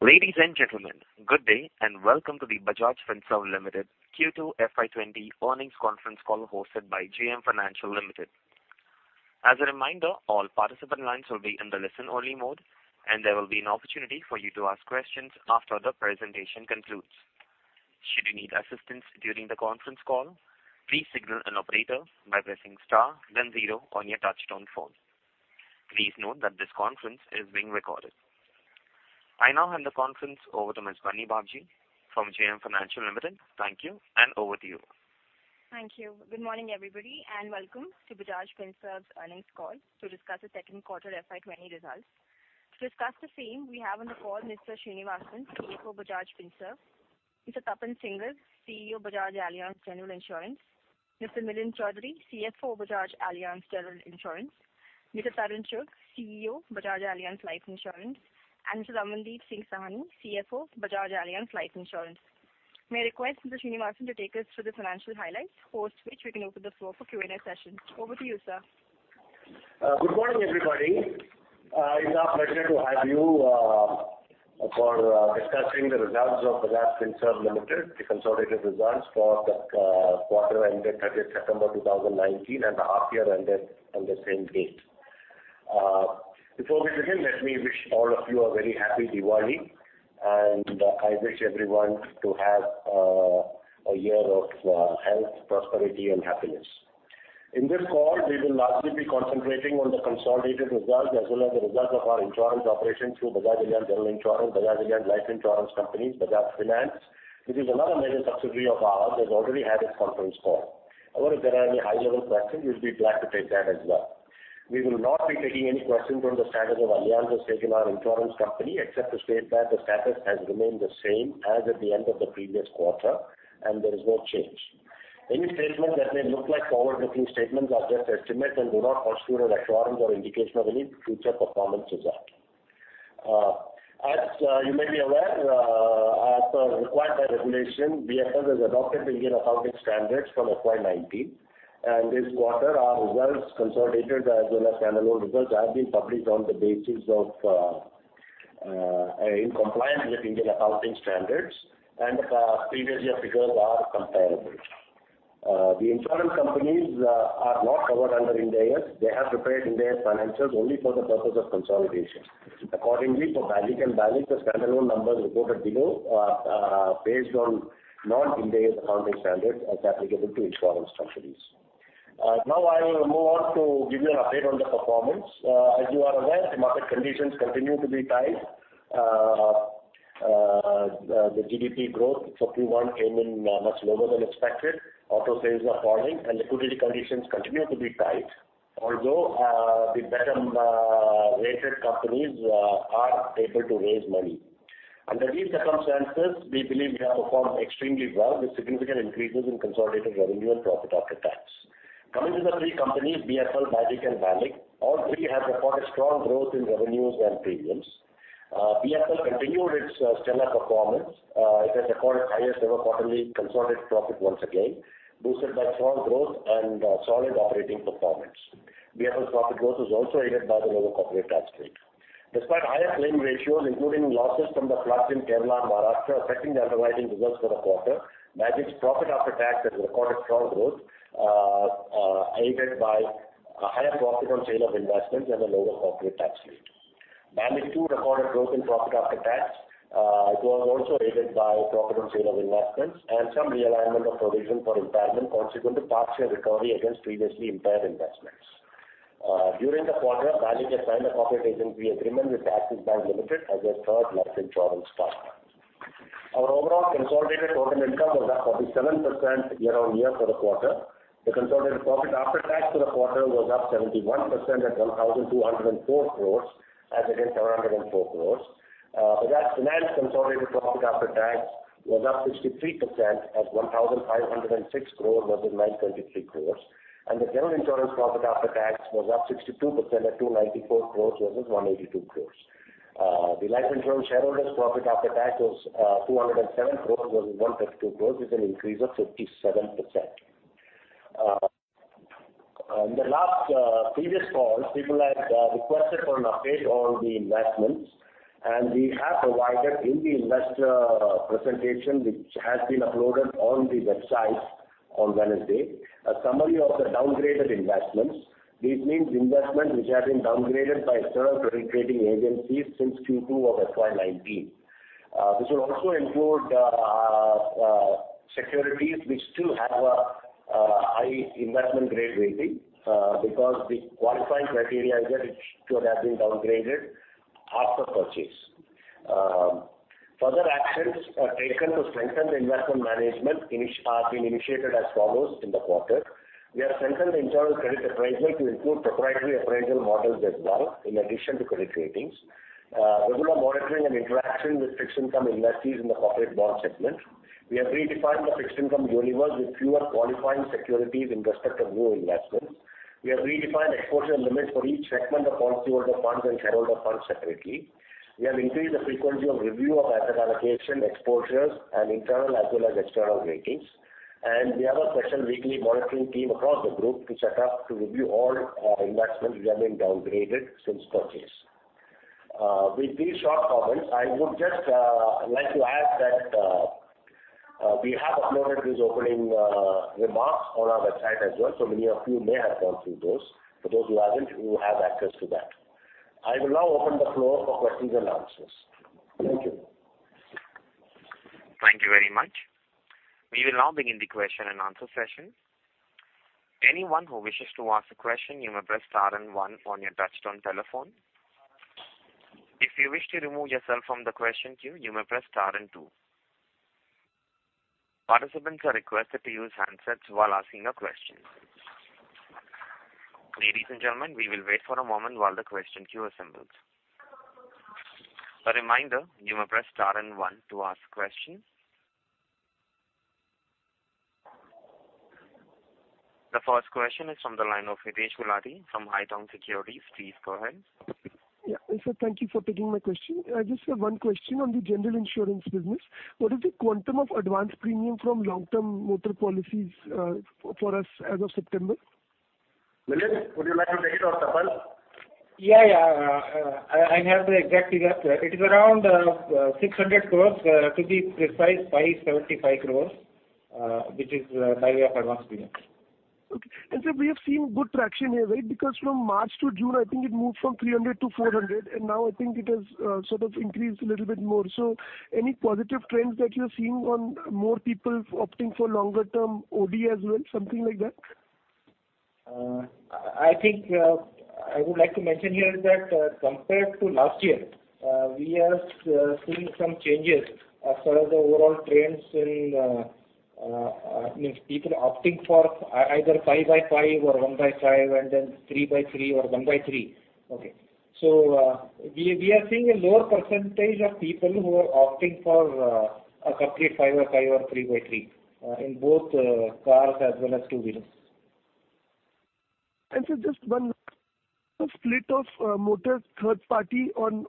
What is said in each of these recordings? Ladies and gentlemen, good day, and welcome to the Bajaj Finserv Limited Q2 FY 2020 earnings conference call hosted by JM Financial Limited. As a reminder, all participant lines will be in the listen only mode, and there will be an opportunity for you to ask questions after the presentation concludes. Should you need assistance during the conference call, please signal an operator by pressing star then zero on your touch-tone phone. Please note that this conference is being recorded. I now hand the conference over to Ms. Parni Babji from JM Financial Limited. Thank you, and over to you. Thank you. Good morning, everybody, and welcome to Bajaj Finserv's earnings call to discuss the second quarter FY 2020 results. To discuss the same, we have on the call Mr. Sreenivasan, CFO, Bajaj Finserv. Mr. Tapan Singhel, CEO, Bajaj Allianz General Insurance. Mr. Milind Chaudhari, CFO, Bajaj Allianz General Insurance. Mr. Tarun Chugh, CEO, Bajaj Allianz Life Insurance, and Mr. Ramandeep Singh Sahni, CFO, Bajaj Allianz Life Insurance. May I request Mr. Sreenivasan to take us through the financial highlights, post which we can open the floor for a Q&A session? Over to you, sir. Good morning, everybody. It's our pleasure to have you for discussing the results of Bajaj Finserv Limited, the consolidated results for the quarter ended 30th September 2019 and the half year ended on the same date. Before we begin, let me wish all of you a very happy Diwali. I wish everyone to have a year of health, prosperity and happiness. In this call, we will largely be concentrating on the consolidated results as well as the results of our insurance operations through Bajaj Allianz General Insurance, Bajaj Allianz Life Insurance companies, Bajaj Finance, which is another major subsidiary of ours that already had its conference call. However, if there are any high-level questions, we'll be glad to take that as well. We will not be taking any questions on the status of Allianz's stake in our insurance company except to state that the status has remained the same as at the end of the previous quarter, and there is no change. Any statements that may look like forward-looking statements are just estimates and do not constitute a assurance or indication of any future performance exactly. As you may be aware, as required by regulation, BFL has adopted the Indian accounting standards from FY 2019. This quarter, our results consolidated as well as standalone results have been published in compliance with Indian accounting standards and the previous year figures are comparable. The insurance companies are not covered under Ind AS. They have prepared Ind AS financials only for the purpose of consolidation. Accordingly, for Bajaj and BALIC, the standalone numbers reported below are based on non-Ind AS accounting standards as applicable to insurance companies. I will move on to give you an update on the performance. As you are aware, the market conditions continue to be tight. The GDP growth for Q1 came in much lower than expected. Auto sales are falling and liquidity conditions continue to be tight, although the better-rated companies are able to raise money. Under these circumstances, we believe we have performed extremely well with significant increases in consolidated revenue and profit after tax. Coming to the three companies, BFL, Bajaj, and BALIC, all three have reported strong growth in revenues and premiums. BFL continued its stellar performance. It has recorded highest ever quarterly consolidated profit once again, boosted by strong growth and solid operating performance. BFL's profit growth was also aided by the lower corporate tax rate. Despite higher claim ratios, including losses from the floods in Kerala and Maharashtra affecting the underwriting results for the quarter, Bajaj's profit after tax has recorded strong growth, aided by a higher profit on sale of investments and a lower corporate tax rate. BALIC too recorded growth in profit after tax. It was also aided by profit on sale of investments and some realignment of provision for impairment consequent to partial recovery against previously impaired investments. During the quarter, BALIC has signed a corporate agency agreement with Axis Bank Limited as their third life insurance partner. Our overall consolidated total income was up 47% year-over-year for the quarter. The consolidated profit after tax for the quarter was up 71% at 1,204 crore as against 404 crore. Bajaj Finance consolidated profit after tax was up 53% at 1,506 crore versus 923 crore. The general insurance profit after tax was up 62% at 294 crore versus 182 crore. The life insurance shareholders' profit after tax was 207 crore versus 152 crore, an increase of 57%. In the previous call, people had requested for an update on the investments. We have provided in the investor presentation, which has been uploaded on the website on Wednesday, a summary of the downgraded investments. This means investments which have been downgraded by certain credit rating agencies since Q2 of FY 2019. This will also include securities which still have a high investment grade rating because the qualifying criteria is that it should have been downgraded after purchase. Further actions are taken to strengthen the investment management are being initiated as follows in the quarter. We have strengthened the internal credit appraisal to include proprietary appraisal models as well, in addition to credit ratings. Regular monitoring and interaction with fixed income investors in the corporate bond segment. We have redefined the fixed income universe with fewer qualifying securities in respect of new investments. We have redefined exposure limits for each segment of fund holders, funds and shareholder funds separately. We have increased the frequency of review of asset allocation exposures and internal as well as external ratings. We have a special weekly monitoring team across the group to set up to review all our investments we have been downgraded since purchase. With these short comments, I would just like to add that we have uploaded these opening remarks on our website as well, so many of you may have gone through those. For those who haven't, you have access to that. I will now open the floor for questions and answers. Thank you. Thank you very much. We will now begin the question and answer session. Anyone who wishes to ask a question, you may press star and one on your touchtone telephone. If you wish to remove yourself from the question queue, you may press star and two. Participants are requested to use handsets while asking a question. Ladies and gentlemen, we will wait for a moment while the question queue assembles. A reminder, you may press star and one to ask questions. The first question is from the line of Hitesh Mulani from Edelweiss Securities. Please go ahead. Yeah. Sir, thank you for taking my question. I just have one question on the general insurance business. What is the quantum of advanced premium from long-term motor policies for us as of September? Milind, would you like to take it or Tapan? Yeah. I have the exact figure. It is around 600 crores, to be precise, 575 crores, which is by way of advanced premium. Okay. Sir, we have seen good traction here, right? From March to June, I think it moved from 300 to 400, and now I think it has sort of increased a little bit more. Any positive trends that you're seeing on more people opting for longer term OD as well, something like that? I think I would like to mention here that compared to last year, we have seen some changes as far as the overall trends in people opting for either five by five or one by five, and then three by three or one by three. Okay. We are seeing a lower % of people who are opting for a complete five by five or three by three in both cars as well as two-wheelers. Sir, just one split of motor third party on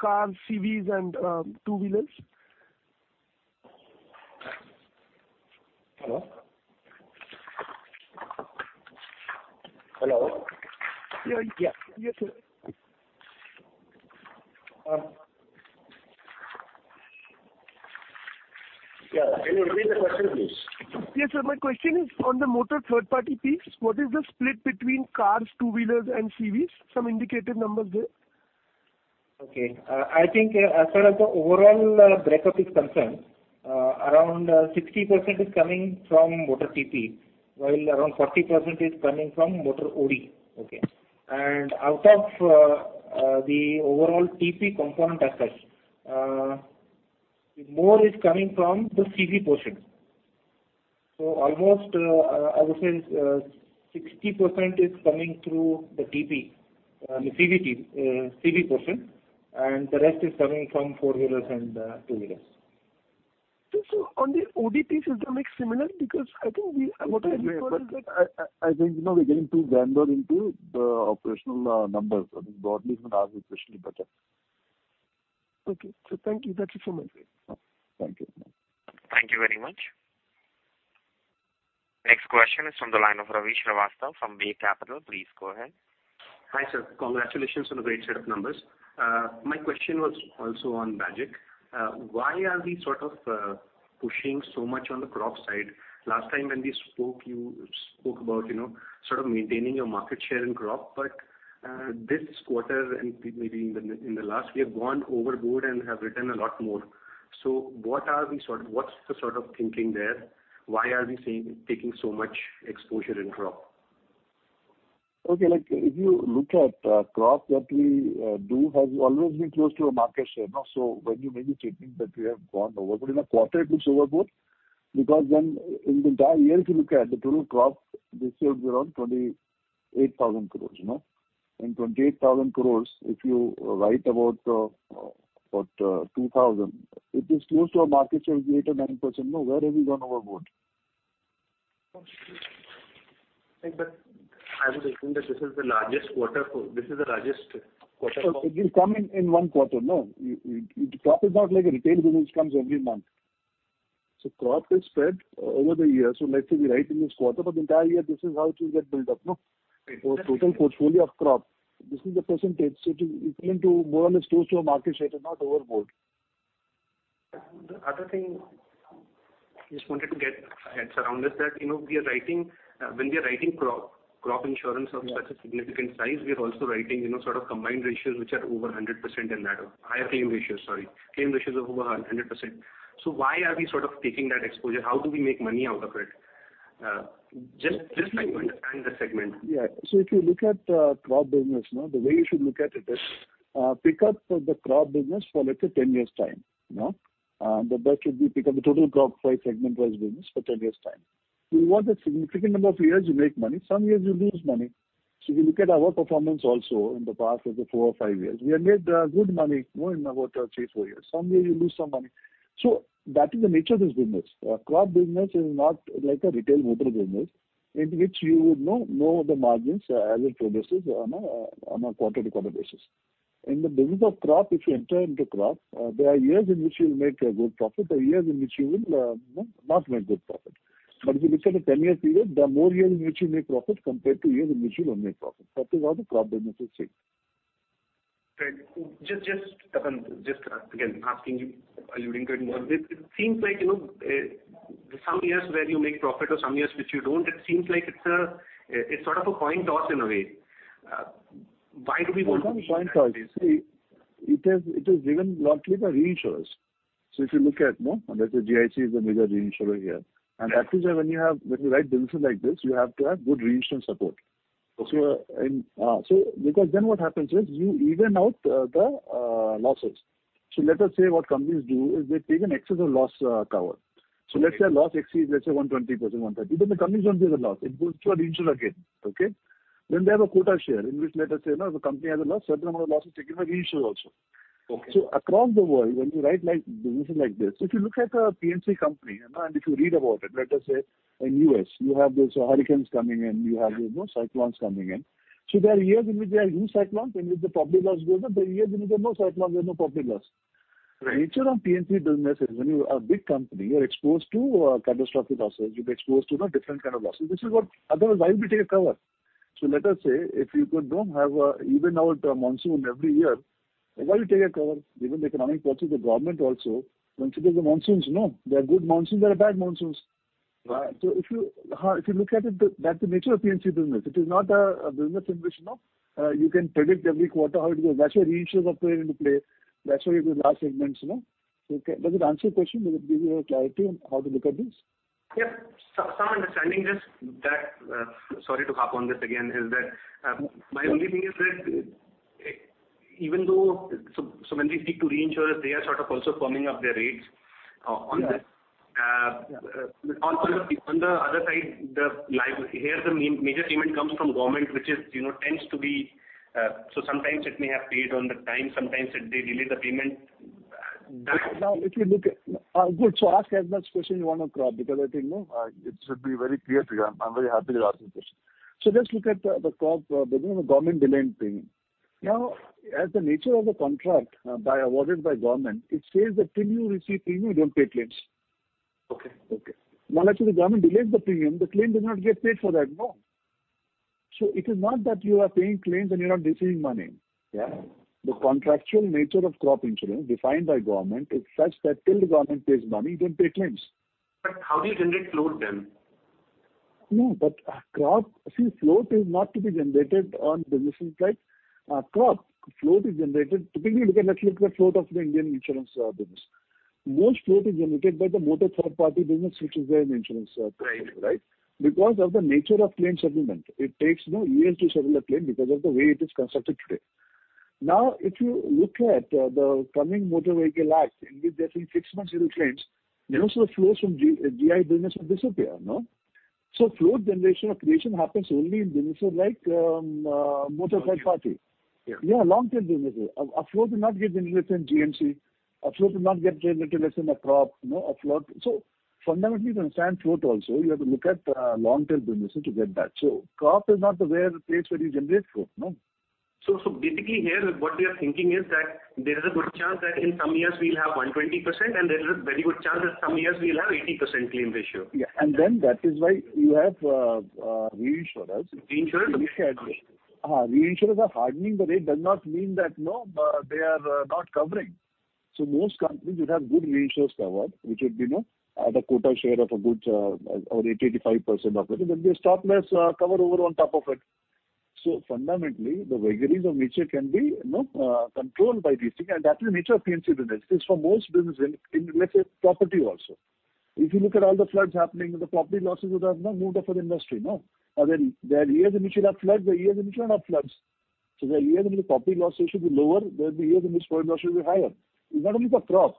cars, CVs and two-wheelers. Hello? Hello? Yeah. You hear, sir. Yeah. Can you repeat the question, please? Yes, sir. My question is on the motor third party piece, what is the split between cars, two-wheelers and CVs? Some indicative numbers there. Okay. I think as far as the overall breakup is concerned, around 60% is coming from motor TP, while around 40% is coming from motor OD. Okay. Out of the overall TP component as such, more is coming from the CV portion. Almost, I would say 60% is coming through the CV portion, and the rest is coming from four-wheelers and two-wheelers. Sir, on the OD piece, is the mix similar? Because I think the motor- I think we're getting too granular into the operational numbers. I think broadly, you can ask the question in budget. Okay. Sir, thank you. That's it from my side. Thank you. Thank you very much. Next question is from the line of Ravi Srivastava from Bay Capital. Please go ahead. Hi, sir. Congratulations on the great set of numbers. My question was also on BAGIC. Why are we pushing so much on the crop side? Last time when we spoke, you spoke about maintaining your market share in crop, but this quarter and maybe in the last, we have gone overboard and have written a lot more. What's the thinking there? Why are we taking so much exposure in crop? Okay. If you look at crop that we do has always been close to our market share. When you maybe stating that we have gone overboard, in a quarter it looks overboard because when in the entire year if you look at the total crop, this year is around 28,000 crores. In 28,000 crores, if you write about 2,000, it is close to our market share of 8% or 9%. Where have we gone overboard? No. I was saying that this is the largest quarter. It will come in one quarter, no? Crop is not like a retail business comes every month. Crop is spread over the year. Let's say we write in this quarter, but the entire year, this is how it will get built up. No? Right. Total portfolio of crop, this is the %. It is equivalent to more or less close to our market share, not overboard. The other thing I just wanted to get heads around is that when we are writing crop insurance of such a significant size, we are also writing combined ratios which are over 100%. Higher claim ratios, sorry. Claim ratios of over 100%. Why are we taking that exposure? How do we make money out of it? I just like to understand that segment. Yeah. If you look at crop business, the way you should look at it is, pick up the crop business for, let's say, 10 years' time. That should be pick up the total crop by segment wise business for 10 years' time. In what a significant number of years you make money, some years you lose money. If you look at our performance also in the past, let's say four or five years, we have made good money in about three, four years. Some years you lose some money. That is the nature of this business. Crop business is not like a retail motor business, in which you would know the margins as it progresses on a quarter to quarter basis. In the business of crop, if you enter into crop, there are years in which you'll make a good profit, there are years in which you will not make good profit. If you look at a 10-year period, there are more years in which you make profit compared to years in which you don't make profit. That is why the crop business is safe. Right. Tapan, just again asking you, are you doing good with this? It seems like, some years where you make profit or some years which you don't, it seems like it's sort of a coin toss in a way. Why do we want? It's not a coin toss. You see, it is given largely by reinsurers. If you look at, let's say GIC is a major reinsurer here. Actually, when you write businesses like this, you have to have good reinsurance support. Okay. What happens is you even out the losses. Let us say what companies do is they take an excess of loss cover. Let's say a loss exceeds, let's say 120%, 130%, even the companies don't bear the loss. It goes to a reinsurer again. Okay. They have a quota share, in which let us say now, if a company has a loss, certain amount of loss is taken by reinsurer also. Okay. Across the world, when you write businesses like this, if you look at a P&C company and if you read about it, let us say in U.S., you have those hurricanes coming in, you have cyclones coming in. There are years in which there are huge cyclones, in which the property loss goes up. There are years in which there are no cyclones, there's no property loss. Right. Nature of P&C business is when you are a big company, you're exposed to catastrophic losses. You'll be exposed to different kind of losses. Otherwise, why would you take a cover? Let us say, if you don't have even out monsoon every year, why do you take a cover? Even the economic policy of the government also considers the monsoons. There are good monsoons, there are bad monsoons. Right. If you look at it, that's the nature of P&C business. It is not a business in which you can predict every quarter how it goes. That's why reinsurers are playing into play. That's why we do large segments. Does it answer your question? Does it give you a clarity on how to look at this? Yep. Some understanding. Just that, sorry to harp on this again, is that my only thing is that so when they speak to reinsurers, they are sort of also firming up their rates on this. Yes. On the other side, here the major payment comes from government, so sometimes it may have paid on time, sometimes they delay the payment. Good. Ask as much question you want on crop because I think it should be very clear to you. I'm very happy you're asking questions. Let's look at the crop business and government delaying payment. Now, as the nature of the contract awarded by government, it says that till you receive premium, you don't pay claims. Okay. Okay. Now, actually, the government delays the premium, the claim does not get paid for that, no? It is not that you are paying claims and you're not receiving money. Yeah. The contractual nature of crop insurance defined by government is such that till the government pays money, you don't pay claims. How do you generate float then? No. See, float is not to be generated on businesses like crop. Float is generated typically, look at, let's look at float of the Indian insurance business. Most float is generated by the motor third-party business, which is where. Right because of the nature of claim settlement. It takes years to settle a claim because of the way it is constructed today. If you look at the coming Motor Vehicle Act, in which they're saying six months you will claims, most of the flows from GI business will disappear. Float generation or creation happens only in businesses like motor third party. Yeah. Yeah, long-term businesses. A float will not get generated in P&C. A float will not get generated, let's say, in a crop. Fundamentally to understand float also, you have to look at long-term businesses to get that. Crop is not the place where you generate float. Basically here, what we are thinking is that there is a good chance that in some years we'll have 120%, and there is a very good chance that some years we'll have 80% claim ratio. Yeah. That is why you have reinsurers. Reinsurers. Reinsurers are hardening the rate does not mean that they are not covering. Most companies would have good reinsurers cover, which would be at a quota share of a good or 80%-85% of it. They stock less cover over on top of it. Fundamentally, the vagaries of nature can be controlled by this thing, and that is the nature of P&C business. This for most business in, let's say, property also. If you look at all the floods happening, the property losses would have moved up for the industry. There are years in which you'll have floods, there are years in which you'll have no floods. There are years in which the property loss ratio will be lower, there are years in which property loss ratio will be higher. It's not only for crop.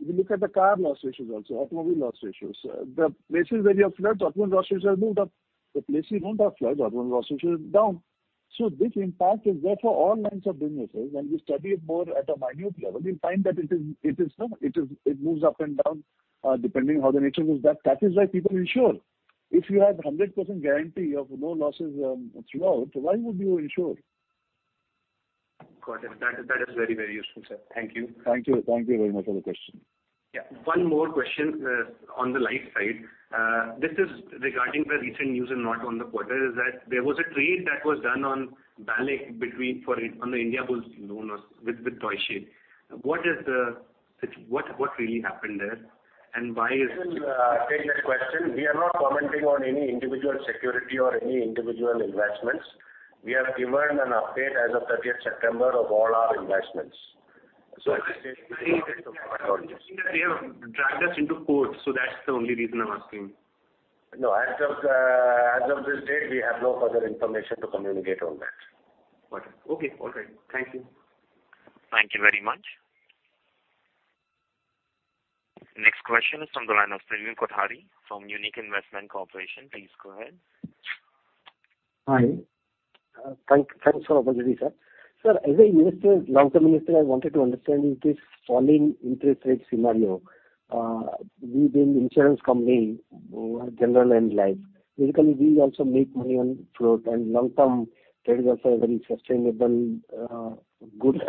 If you look at the car loss ratios also, automobile loss ratios. The places where you have floods, automobile loss ratios have moved up. The places you don't have floods, automobile loss ratios down. This impact is there for all lines of businesses. When you study it more at a minute level, you'll find that it moves up and down depending how the nature moves back. That is why people insure. If you have 100% guarantee of no losses throughout, why would you insure? Got it. That is very useful, sir. Thank you. Thank you. Thank you very much for the question. Yeah. One more question on the life side. This is regarding the recent news and not on the quarter, is that there was a trade that was done on BALIC on the Indiabulls with Deutsche. What really happened there? I can take that question. We are not commenting on any individual security or any individual investments. We have given an update as of 30th September of all our investments. I think that they have dragged us into court, so that's the only reason I'm asking. No. As of this date, we have no further information to communicate on that. Got it. Okay. All right. Thank you. Thank you very much. Next question is from the line of Praveen Kothari from Munich Investment Corporation. Please go ahead. Hi. Thanks for the opportunity, sir. Sir, as a investor, long-term investor, I wanted to understand in this falling interest rate scenario, within insurance company, general and life, typically these also make money on float and long-term trade is also a very sustainable good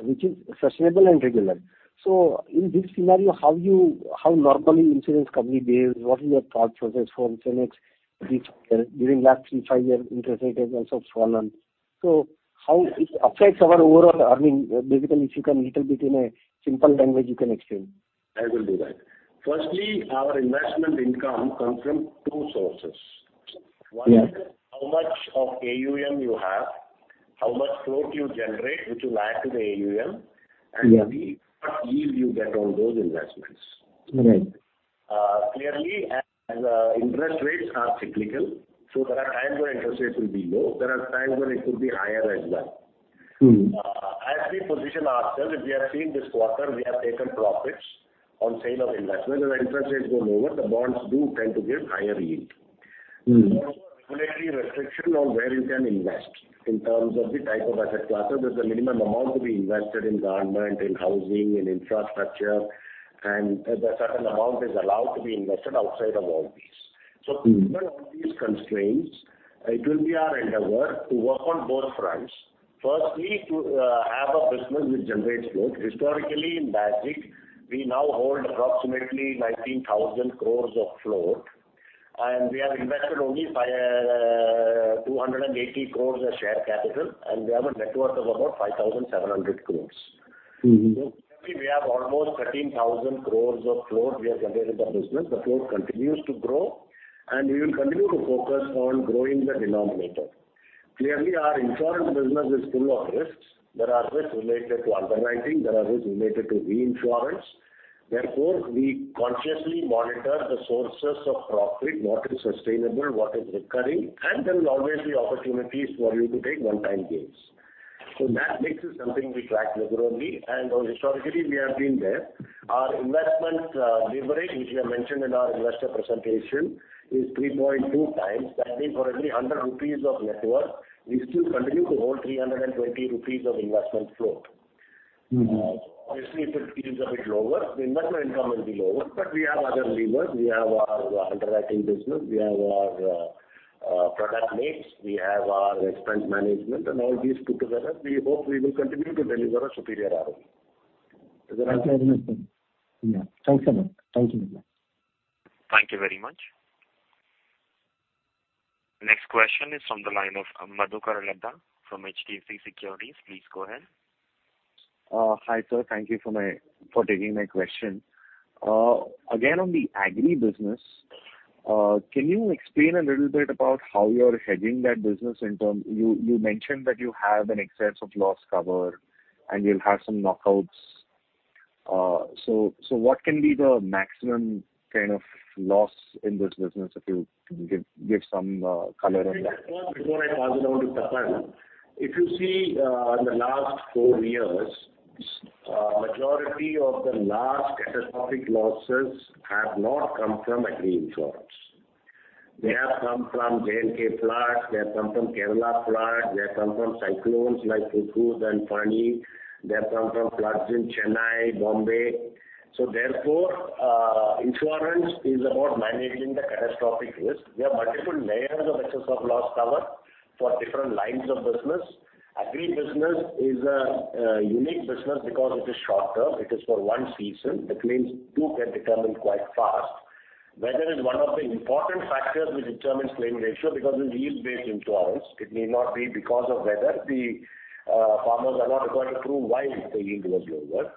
Which is sustainable and regular. In this scenario, how normally insurance company behaves, what is your thought process for GenNext this year during last three, five years, interest rate has also fallen. How it affects our overall earning? Basically, if you can little bit in a simple language you can explain. I will do that. Our investment income comes from two sources. Yes. One is how much of AUM you have, how much float you generate, which you add to the AUM. Yes. Three, what yield you get on those investments. Right. Clearly, as interest rates are cyclical, so there are times when interest rates will be low. There are times when it could be higher as well. As we position ourselves, if you have seen this quarter, we have taken profits on sale of investment. As interest rates go lower, the bonds do tend to give higher yield. There are also regulatory restriction on where you can invest in terms of the type of asset classes. There's a minimum amount to be invested in government, in housing, in infrastructure, and a certain amount is allowed to be invested outside of all these. Given all these constraints, it will be our endeavor to work on both fronts. Firstly, to have a business which generates float. Historically, in Bajaj, we now hold approximately 19,000 crore of float, and we have invested only 280 crore as share capital and we have a net worth of about 5,700 crore. Clearly, we have almost 13,000 crore of float we have generated the business. The float continues to grow, and we will continue to focus on growing the denominator. Clearly, our insurance business is full of risks. There are risks related to underwriting. There are risks related to reinsurance. Therefore, we consciously monitor the sources of profit, what is sustainable, what is recurring, and there will always be opportunities for you to take one-time gains. That mix is something we track rigorously, and historically we have been there. Our investment leverage, which we have mentioned in our investor presentation, is 3.2x. That means for every 100 rupees of net worth, we still continue to hold 320 rupees of investment float. Obviously, if it is a bit lower, the investment income will be lower, but we have other levers. We have our underwriting business, we have our product mix, we have our expense management and all these put together, we hope we will continue to deliver a superior ROE. Is there any-. Thank you very much, sir. Yeah. Thanks a lot. Thank you. Thank you very much. Next question is from the line of Madhu Karulada from HDFC Securities. Please go ahead. Hi, sir. Thank you for taking my question. Again, on the agri business, can you explain a little bit about how you're hedging that business? You mentioned that you have an excess of loss cover and you'll have some knockouts. What can be the maximum kind of loss in this business if you can give some color on that? Before I pass it on to Tapan. If you see in the last four years, majority of the large catastrophic losses have not come from agri insurance. They have come from J&K flood, they have come from Kerala flood, they have come from cyclones like Hudhud and Fani, they have come from floods in Chennai, Bombay. Therefore, insurance is about managing the catastrophic risk. We have multiple layers of excess of loss cover for different lines of business. Agri business is a unique business because it is short term. It is for one season. The claims too get determined quite fast. Weather is one of the important factors which determines claim ratio because it is yield-based insurance. It need not be because of weather. The farmers are not required to prove why the yield was lower.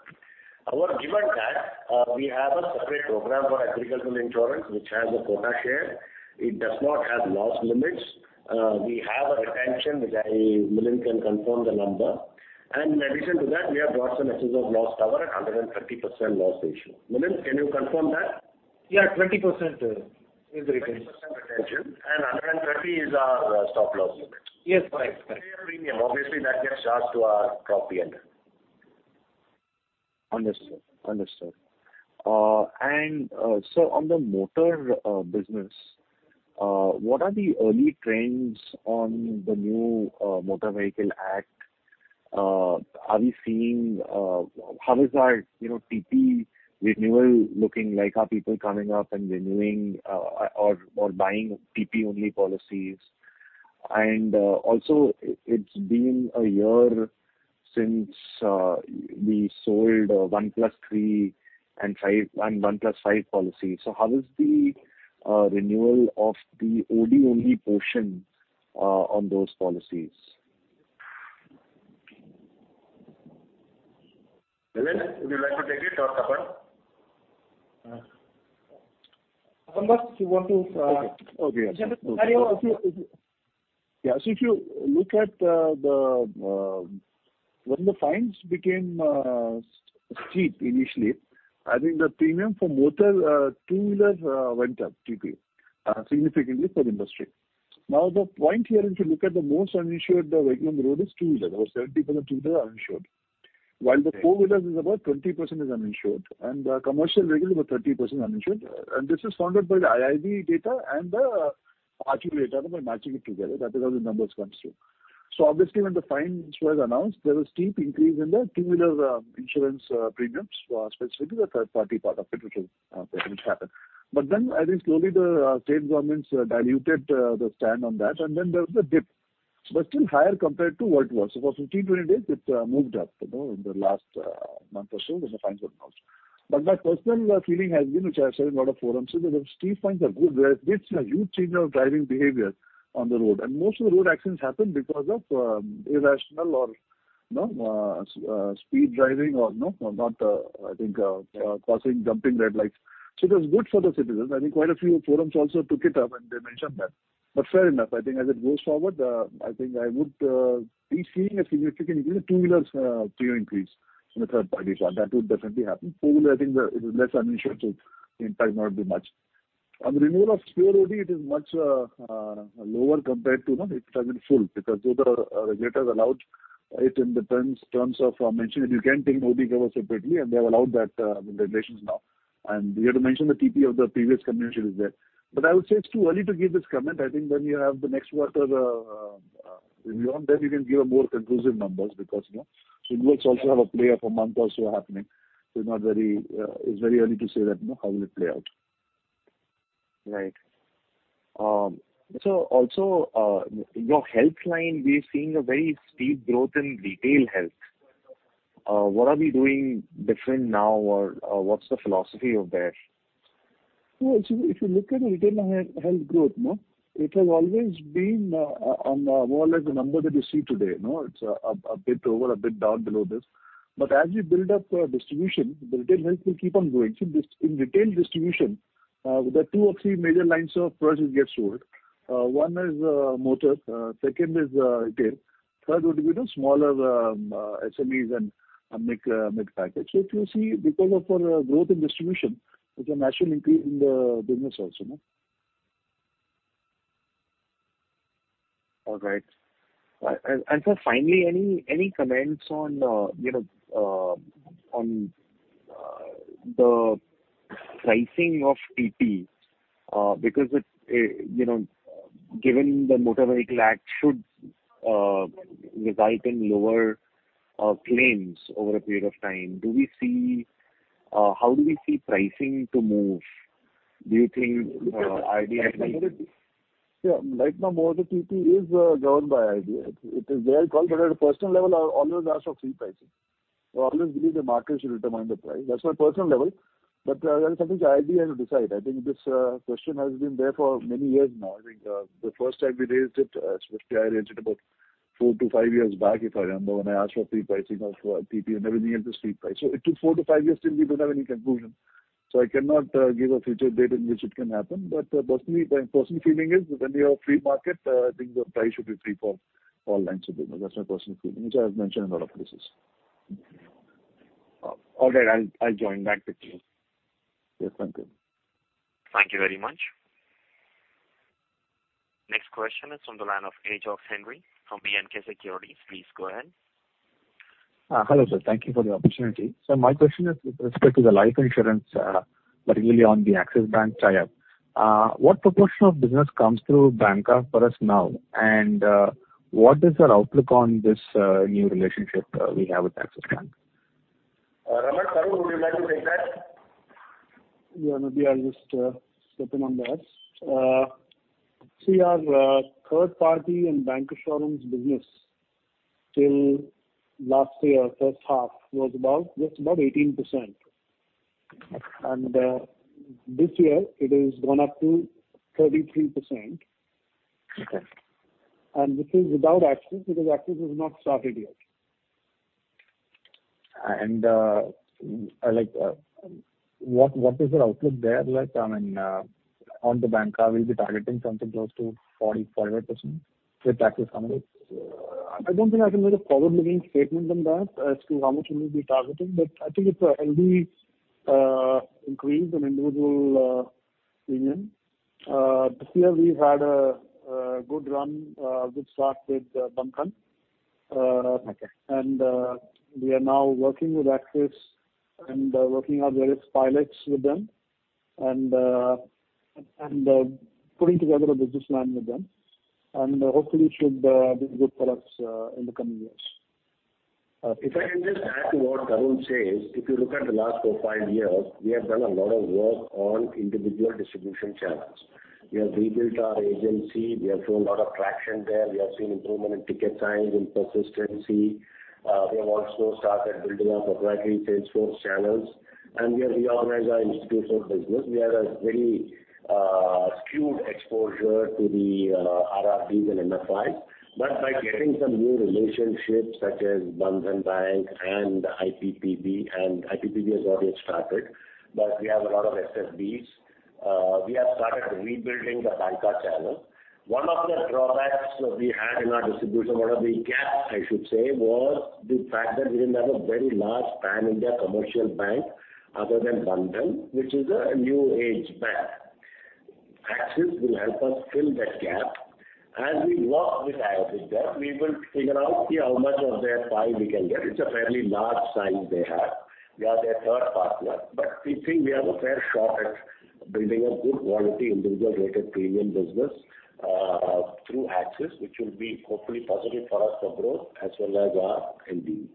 However, given that, we have a separate program for agricultural insurance, which has a quota share. It does not have loss limits. We have a retention which Milind can confirm the number. In addition to that, we have brought some excess of loss cover at 130% loss ratio. Milind, can you confirm that? Yeah, 20% is retention. 20% retention and 130 is our stop loss limit. Yes, correct. We pay a premium, obviously that gets charged to our crop yield. Understood. On the motor business, what are the early trends on the new Motor Vehicle Act? How is our TP renewal looking like? Are people coming up and renewing or buying TP only policies? It's been a year since we sold One Plus Three and One Plus Five policy. How is the renewal of the OD only portion on those policies? Milind, would you like to take it or Tapan? Tapan here. Okay. Continue. Yeah. If you look at when the fines became steep initially, I think the premium for motor two-wheeler went up, TP, significantly for industry. The point here, if you look at the most uninsured vehicle on the road, is two-wheeler. About 70% of two-wheelers are uninsured. While four-wheelers are about 20% uninsured, and commercial vehicles about 30% uninsured. This is founded by the IIB data and the IRDAI data by matching it together. That is how the numbers come through. Obviously, when the fines were announced, there was steep increase in the two-wheeler insurance premiums, specifically the third party part of it which happened. I think slowly the state governments diluted the stand on that, and then there was a dip. Still higher compared to what it was. For 15-20 days, it moved up in the last month or so. There's a fine tune also. My personal feeling has been, which I have said in a lot of forums, is that if speed fines are good, there's a huge change of driving behavior on the road, and most of the road accidents happen because of irrational or speed driving or not causing jumping red lights. It was good for the citizens. I think quite a few forums also took it up, and they mentioned that. Fair enough, I think as it goes forward, I think I would be seeing a significant increase in two-wheelers premium increase in the third party car. That would definitely happen. Four-wheeler, I think it is less ammunition, so it might not be much. On the renewal of pure OD, it is much lower compared to it has been full because though the regulator allowed it in the terms of mentioning you can take an OD cover separately, and they have allowed that in the regulations now. We have to mention the TP of the previous commission is there. I would say it's too early to give this comment. I think when you have the next quarter renewal, you can give a more conclusive numbers because insurance also have a play of a month or so happening. It's very early to say that how will it play out. Right. Also, your health line, we're seeing a very steep growth in retail health. What are we doing different now or what's the philosophy there? If you look at retail health growth, it has always been on more or less the number that you see today. It's a bit over, a bit down below this. As we build up distribution, the retail health will keep on growing. In retail distribution, there are two or three major lines of products which get sold. One is motors, second is retail, third would be smaller SMEs and mid package. If you see because of our growth in distribution, there's a natural increase in the business also. All right. Sir, finally, any comments on the pricing of TP because given the Motor Vehicle Act should result in lower claims over a period of time. How do we see pricing to move? Do you think IRDA will make? Right now, most of TP is governed by IRDA. It is their call, but at a personal level, I'll always ask for free pricing. I always believe the market should determine the price. That's my personal level, but that is something that IRDA has to decide. I think this question has been there for many years now. I think the first time we raised it, especially I raised it about four to five years back, if I remember, when I asked for free pricing of TP and everything is free price. It took four to five years till we don't have any conclusion. I cannot give a future date in which it can happen. My personal feeling is when we are a free market, I think the price should be free for all lines of business. That's my personal feeling, which I have mentioned in a lot of places. All right. I'll join back with you. Yes, thank you. Thank you very much. Next question is on the line of Ajax Henry from BNK Securities. Please go ahead. Hello, sir. Thank you for the opportunity. My question is with respect to the life insurance, particularly on the Axis Bank tie-up. What proportion of business comes through banca for us now, and what is our outlook on this new relationship we have with Axis Bank? Raman, Tarun, would you like to take that? Yeah. Maybe I'll just step in on that. See our third party and bancassurance business till last year first half was just about 18%. This year it has gone up to 33%. Okay. This is without Axis because Axis has not started yet. What is the outlook there like? On the banca, we'll be targeting something close to 40, 45% with Axis coming in. I don't think I can make a forward-looking statement on that as to how much we will be targeting, but I think it's a healthy increase in individual premium. This year we've had a good run, a good start with Bandhan. Okay. We are now working with Axis and working out various pilots with them and putting together a business plan with them. Hopefully should be good products in the coming years. If I can just add to what Tarun says. If you look at the last four, five years, we have done a lot of work on individual distribution channels. We have rebuilt our agency. We have seen a lot of traction there. We have seen improvement in ticket size, in persistency. We have also started building our proprietary sales force channels, and we have reorganized our institutional business. We had a very skewed exposure to the RRBs and MFIs. By getting some new relationships such as Bandhan Bank and IPPB and IPPB has already started, but we have a lot of SFBs. We have started rebuilding the banca channel. One of the drawbacks we had in our distribution, one of the gaps I should say, was the fact that we didn't have a very large pan-India commercial bank other than Bandhan, which is a new age bank. Axis will help us fill that gap. As we walk this path with them, we will figure out, see how much of their pie we can get. It's a fairly large size they have. We are their third partner. We think we have a fair shot at bringing a good quality individual related premium business through Axis, which will be hopefully positive for us for growth as well as our NBV.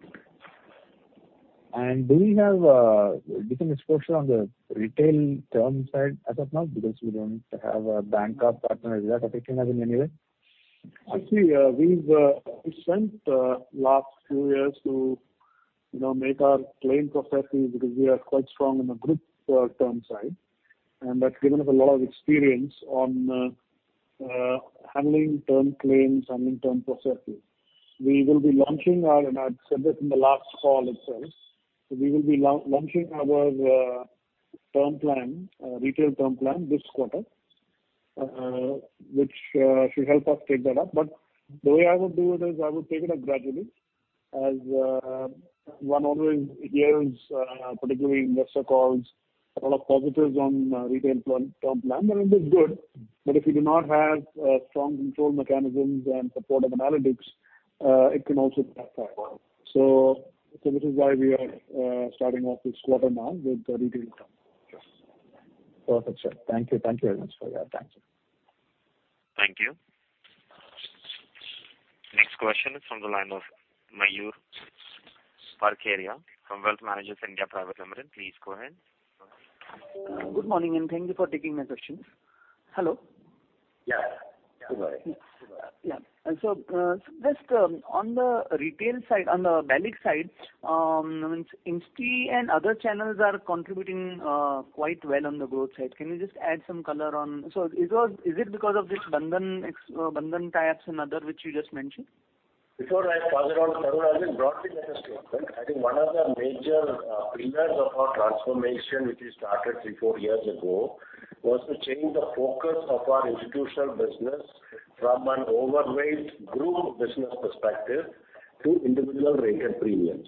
Do you have a different exposure on the retail term side as of now because you don't have a bank or partner yet, or you can have it anyway? Actually, we've spent the last few years to make our claim processes because we are quite strong in the group term side, and that's given us a lot of experience on handling term claims, handling term processes. I said this in the last call itself, we will be launching our retail term plan this quarter, which should help us take that up. The way I would do it is I would take it up gradually as one always hears, particularly investor calls, a lot of positives on retail term plan, and it is good. If you do not have strong control mechanisms and supportive analytics, it can also backfire. This is why we are starting off this quarter now with the retail term. Perfect, sir. Thank you. Thank you very much for your time. Thank you. Next question is from the line of Mayur Parkeria from Wealth Managers (India) Private Limited. Please go ahead. Good morning. Thank you for taking my questions. Hello. Yeah. Go ahead. Yeah. Just on the retail side, on the banc side, Insti and other channels are contributing quite well on the growth side. Can you just add some color. Is it because of this Bandhan tie-ups and other which you just mentioned? Before I pass it on to Tarun, I think broadly that a statement, I think one of the major pillars of our transformation, which we started three, four years ago, was to change the focus of our institutional business from an overweight group business perspective to individual rated premiums.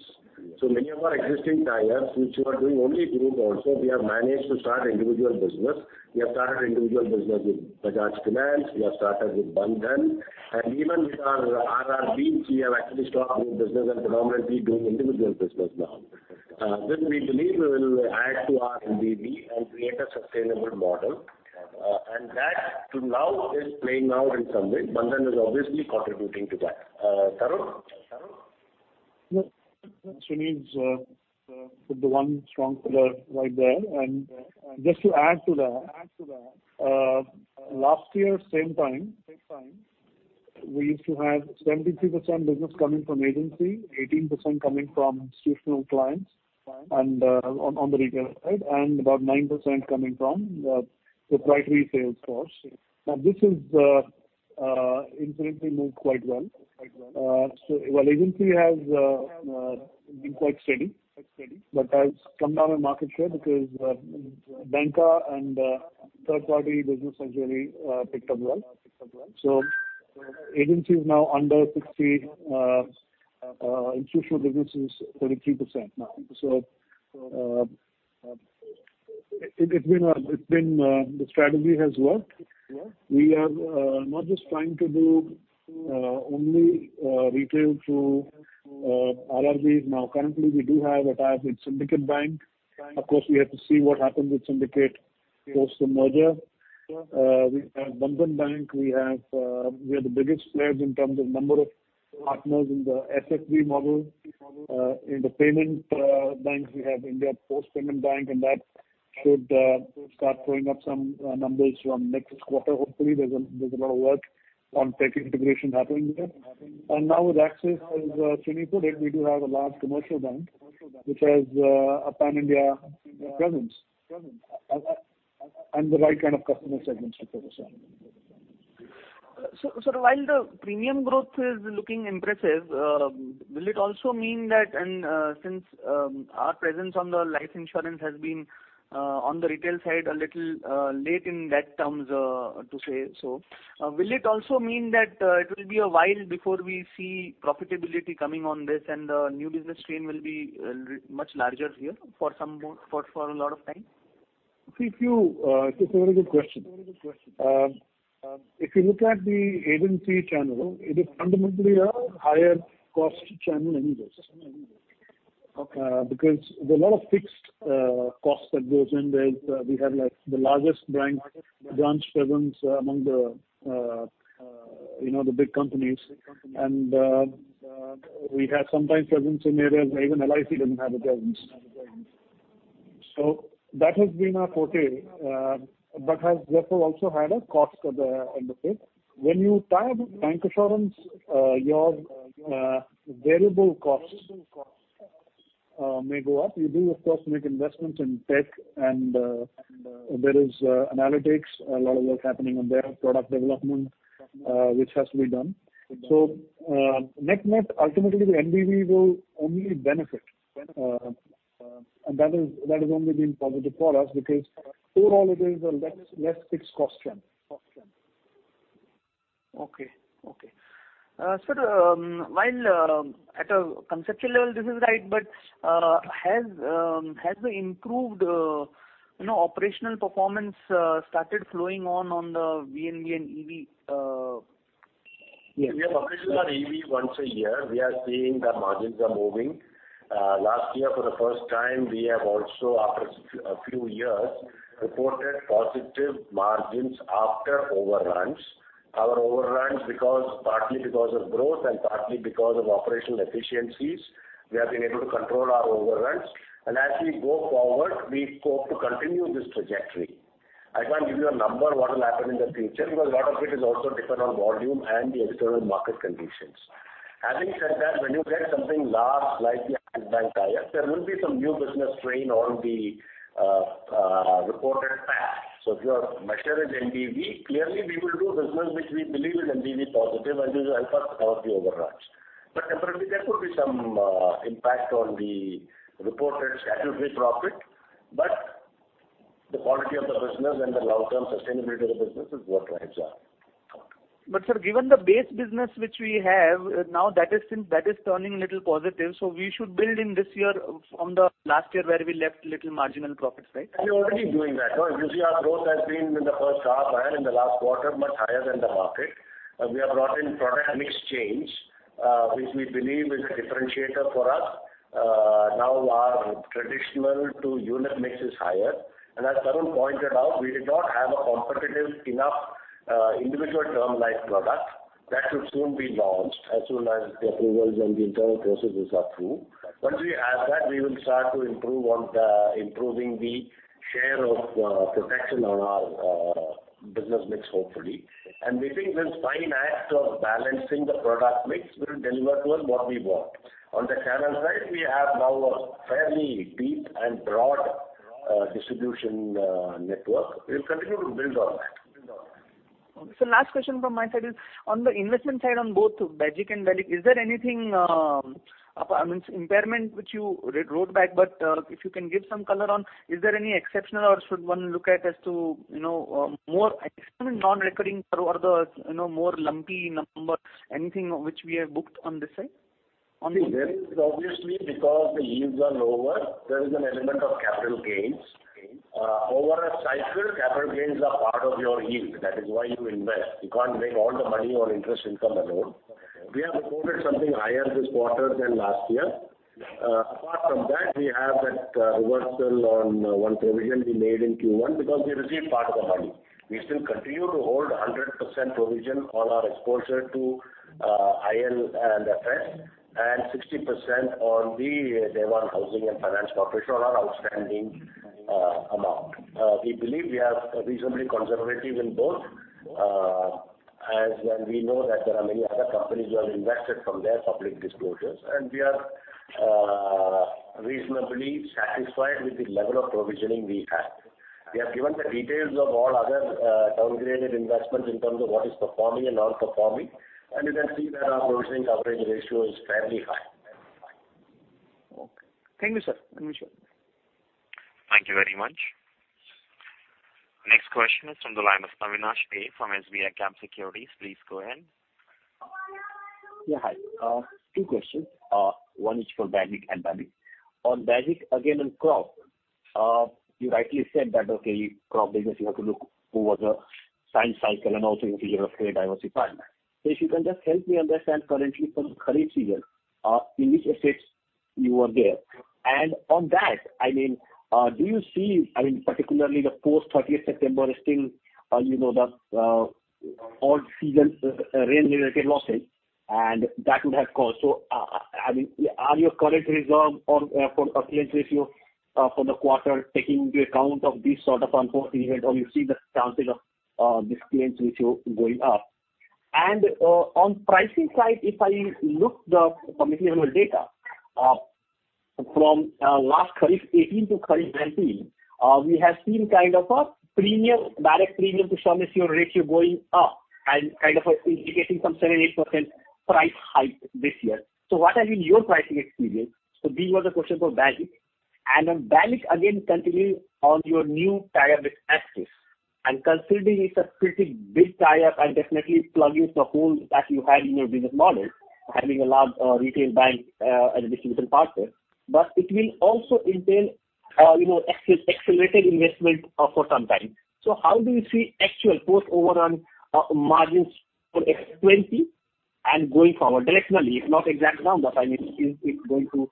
Many of our existing tie-ups, which were doing only group also, we have managed to start individual business. We have started individual business with Bajaj Finance, we have started with Bandhan. Even with our RRBs, we have actually started doing business and predominantly doing individual business now. This, we believe, will add to our NBV and create a sustainable model. That is playing out in some way. Bandhan is obviously contributing to that. Tarun. Sreenivasan put the one strong pillar right there. Just to add to that, last year, same time, we used to have 73% business coming from agency, 18% coming from institutional clients on the retail side, and about 9% coming from the proprietary sales force. This has incidentally moved quite well. While agency has been quite steady, but has come down in market share because banca and third-party business has really picked up well. Agency is now under 60%, institutional business is 33% now. The strategy has worked. We are not just trying to do only retail through RRBs. Currently, we do have a tie-up with Syndicate Bank. Of course, we have to see what happens with Syndicate post the merger. We have Bandhan Bank. We are the biggest players in terms of number of partners in the SFB model. In the payment banks, we have India Post Payments Bank, and that should start throwing up some numbers from next quarter, hopefully. There's a lot of work on tech integration happening there. Now with Axis, as Sunil put it, we do have a large commercial bank which has a pan-India presence and the right kind of customer segments to focus on. While the premium growth is looking impressive, will it also mean that since our presence on the life insurance has been on the retail side a little late in that terms to say so, will it also mean that it will be a while before we see profitability coming on this and the new business strain will be much larger here for a lot of time? It's a very good question. If you look at the agency channel, it is fundamentally a higher cost channel anyways. Okay. There's a lot of fixed costs that goes in there. We have the largest branch presence among the big companies, and we have sometimes presence in areas where even LIC doesn't have a presence. That has been our forte. That has therefore also had a cost associated. When you tie up with bank assurance, your variable costs may go up. You do, of course, make investments in tech and there is analytics, a lot of work happening on their product development, which has to be done. Net net, ultimately, the NBV will only benefit. That has only been positive for us because overall it is a less fixed cost channel. Okay. Sir, while at a conceptual level, this is right, but has the improved operational performance started flowing on the VNB and EV? We are publishing our EV once a year. We are seeing that margins are moving. Last year, for the first time, we have also, after a few years, reported positive margins after overruns. Our overruns partly because of growth and partly because of operational efficiencies. We have been able to control our overruns. As we go forward, we hope to continue this trajectory. I can't give you a number what will happen in the future, because a lot of it is also dependent on volume and the external market conditions. Having said that, when you get something large like the Axis Bank tie-up, there will be some new business strain on the reported PAT. If your measure is NPV, clearly we will do business which we believe is NPV positive and this will help us cover the overruns. Temporarily, there could be some impact on the reported statutory profit, but the quality of the business and the long-term sustainability of the business is what drives us. Sir, given the base business which we have now that is turning a little positive, we should build in this year from the last year where we left little marginal profits, right? We're already doing that. If you see our growth has been in the first half and in the last quarter, much higher than the market. We have brought in product mix change, which we believe is a differentiator for us. Now our traditional to unit mix is higher. As Tarun pointed out, we did not have a competitive enough individual term life product. That will soon be launched as soon as the approvals and the internal processes are through. Once we have that, we will start improving the share of protection on our business mix, hopefully. We think this fine act of balancing the product mix will deliver to us what we want. On the channel side, we have now a fairly deep and broad distribution network. We'll continue to build on that. Okay. Sir, last question from my side is, on the investment side on both BAGIC and BALIC, I mean, it's impairment which you wrote back, but if you can give some color on, is there any exceptional or should one look at as to more exceptional non-recurring or the more lumpy number, anything which we have booked on this side? See, there is obviously because the yields are lower, there is an element of capital gains. Over a cycle, capital gains are part of your yield. That is why you invest. You can't make all the money on interest income alone. We have reported something higher this quarter than last year. Apart from that, we have that reversal on one provision we made in Q1 because we received part of the money. We still continue to hold 100% provision on our exposure to IL&FS and 60% on the Dewan Housing and Finance Corporation on our outstanding amount. We believe we are reasonably conservative in both, as and we know that there are many other companies who have invested from their public disclosures, and we are reasonably satisfied with the level of provisioning we have. We have given the details of all other term-related investments in terms of what is performing and not performing, and you can see that our provisioning coverage ratio is fairly high. Okay. Thank you, sir. Thank you very much. Next question is from the line of Avinash Singh from SBICAP Securities. Please go ahead. Yeah, hi. Two questions. One is for BAGIC and BALIC. On BAGIC, again on crop. You rightly said that, okay, crop business you have to look towards a single cycle and also in terms of clear diversified. If you can just help me understand currently from Kharif season, in which assets you are there. On that, do you see, particularly the post 30th September still, the old season rain-related losses? Are your current reserve or current claims ratio for the quarter taking into account of this sort of unforeseen hit, or you see the chances of this claims ratio going up? On pricing side, if I look the material data from last kharif 2018 to kharif 2019, we have seen kind of a BALIC premium to some ratio going up and kind of indicating some 7%, 8% price hike this year. What has been your pricing experience? These were the questions for BAGIC. On BALIC, again, continuing on your new tie up with Axis, and considering it's a pretty big tie-up and definitely plugging the hole that you had in your business model, having a large retail bank as a distribution partner. It will also entail accelerated investment for some time. How do you see actual post overrun margins for FY 2020 and going forward? Directionally, if not exact numbers, I mean, is it going to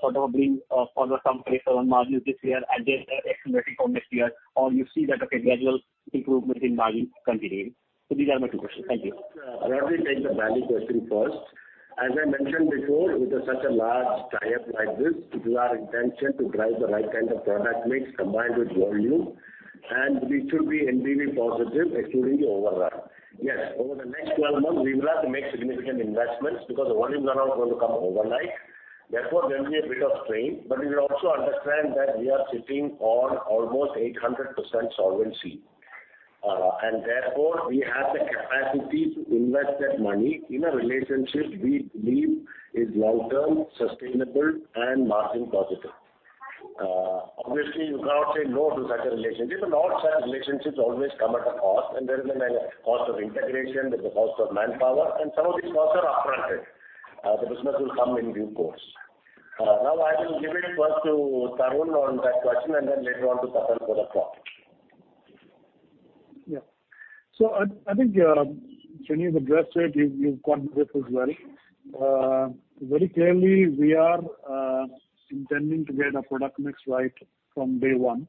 sort of bring further compression on margins this year and then accelerating from next year? You see that, okay, gradual improvement in margin continuing. These are my two questions. Thank you. I'll rather take the BALIC question first. As I mentioned before, with such a large tie-up like this, it is our intention to drive the right kind of product mix combined with volume, it should be NPV positive excluding the overrun. Yes, over the next 12 months, we will have to make significant investments because the volumes are not going to come overnight. Therefore, there'll be a bit of strain. You will also understand that we are sitting on almost 800% solvency. Therefore, we have the capacity to invest that money in a relationship we believe is long-term, sustainable, and margin positive. Obviously, you cannot say no to such a relationship, all such relationships always come at a cost, there is a cost of integration, there's a cost of manpower, some of these costs are up-fronted. The business will come in due course. Now I will give it first to Tarun on that question, and then later on to Tapan for the crop. I think, Sreenivasan, you've addressed it, you've caught this as well. Very clearly we are intending to get our product mix right from day one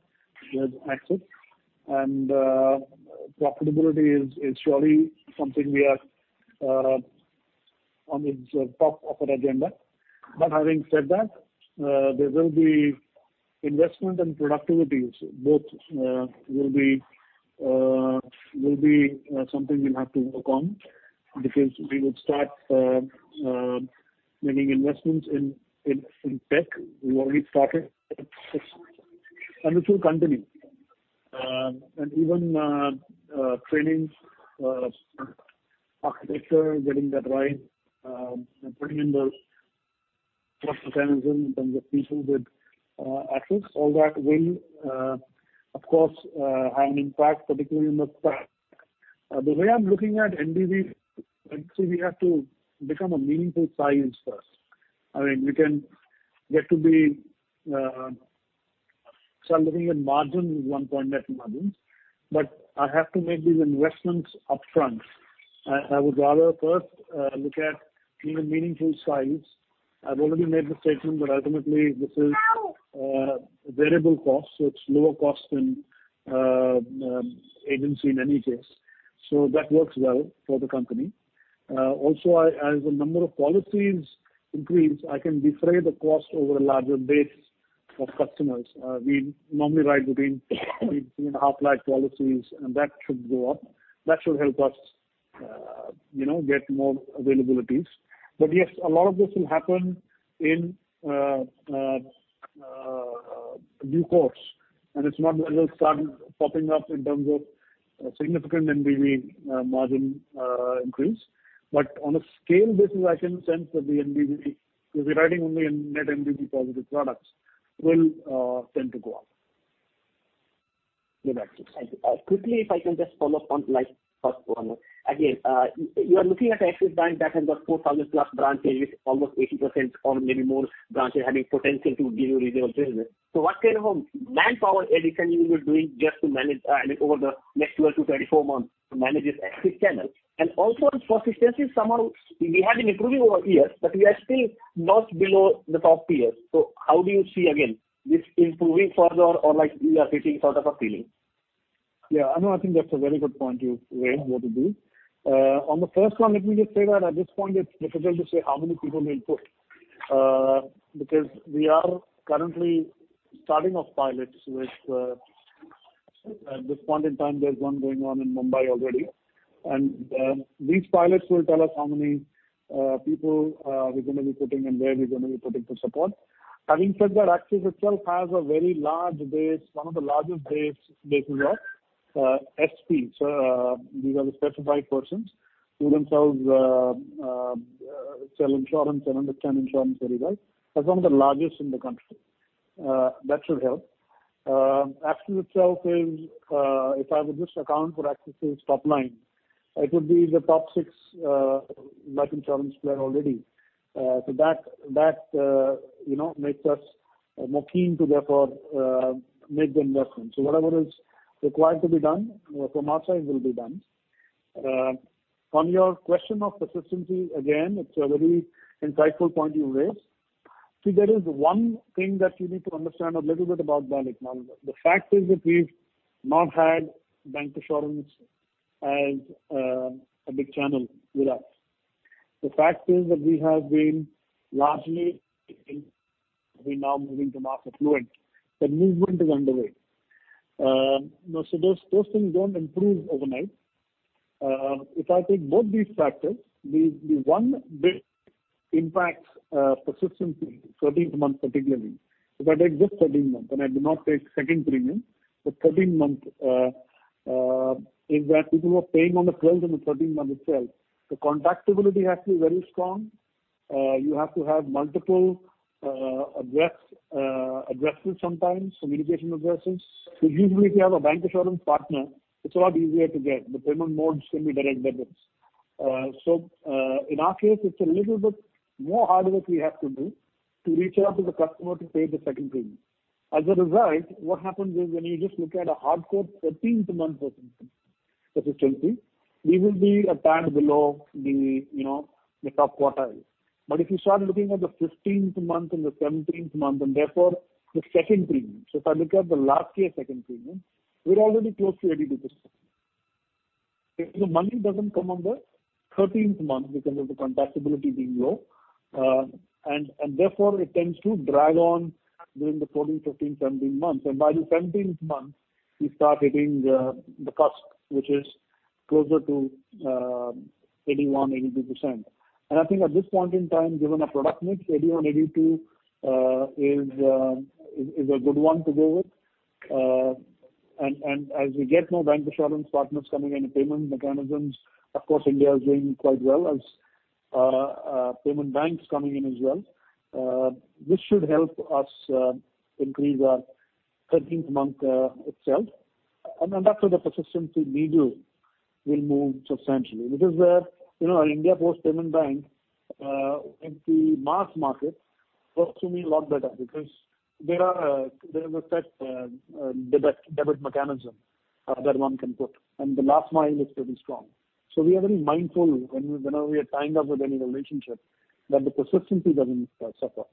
with Axis. Profitability is surely something which is top of our agenda. Having said that, there will be investment and productivities, both will be something we'll have to work on because we would start making investments in tech. We've already started, and this will continue. Even trainings, architecture, getting that right, and putting in the process mechanisms in terms of people with Axis, all that will of course have an impact, particularly in the staff. The way I'm looking at NBV, actually, we have to become a meaningful size first. I'm looking at margin, 1.9 margins, I have to make these investments upfront. I would rather first look at being a meaningful size. I've already made the statement that ultimately this is variable cost, so it's lower cost than agency in any case. That works well for the company. Also, as the number of policies increase, I can defray the cost over a larger base of customers. We normally ride between three and a half lakh policies, and that should go up. That should help us get more availabilities. Yes, a lot of this will happen in due course, and it's not that it'll start popping up in terms of a significant NBV margin increase. On a scale basis, I can sense that the NBV, because we're riding only in net NBV positive products, will tend to go up with Axis. Thank you. Quickly, if I can just follow up on like first one. You are looking at Axis Bank that has got 4,000 plus branches, almost 80% or maybe more branches having potential to give you renewal business. What kind of manpower addition you will be doing just to manage over the next 12-24 months to manage this Axis channel? Also persistency somehow we have been improving over years, but we are still not below the top peers. How do you see, again, this improving further or we are hitting sort of a ceiling? Yeah, I know. I think that's a very good point you've raised, Avinash Singh. On the first one, let me just say that at this point it's difficult to say how many people we'll put because we are currently starting off pilots. At this point in time, there's one going on in Mumbai already. These pilots will tell us how many people we're going to be putting and where we're going to be putting to support. Having said that, Axis itself has a very large base, one of the largest bases of SPs. These are the Specified Persons who themselves sell insurance and understand insurance very well. That's one of the largest in the country. That should help. Axis itself is, if I would just account for Axis' top line, it would be the top six life insurance player already. That makes us more keen to therefore make the investment. Whatever is required to be done from our side will be done. On your question of persistency, again, it's a very insightful point you've raised. There is one thing that you need to understand a little bit about Bancassurance. The fact is that we've not had bank insurance as a big channel with us. The fact is that we have been largely, we're now moving to mass affluent. That movement is underway. Those things don't improve overnight. If I take both these factors, the one big impact persistency, 13th month particularly. If I take just 13 months, and I do not take second premium, the 13th month is where people were paying on the 12th and the 13th month itself. Contactability has to be very strong. You have to have multiple addresses sometimes, communication addresses. Usually if you have a bank insurance partner, it's a lot easier to get. The payment modes can be direct debits. In our case, it's a little bit more hard work we have to do to reach out to the customer to pay the second premium. As a result, what happens is when you just look at a hardcore 13th month persistency, we will be a tad below the top quartile. If you start looking at the 15th month and the 17th month, and therefore the second premium, so if I look at the last year second premium, we're already close to 80%. The money doesn't come on the 13th month because of the contactability being low. Therefore, it tends to drag on during the 14th, 15th, 17th months. By the 17th month, we start hitting the cusp, which is closer to 81, 82%. I think at this point in time, given our product mix, 81, 82 is a good one to go with. As we get more bank insurance partners coming in and payment mechanisms, of course, India is doing quite well as payment banks coming in as well. This should help us increase our 13th month itself. After the persistency, we do will move substantially because there our India Post Payments Bank into mass market works to me a lot better because. There is a set debit mechanism that one can put. The last mile is pretty strong. We are very mindful whenever we are tying up with any relationship that the persistency doesn't suffer.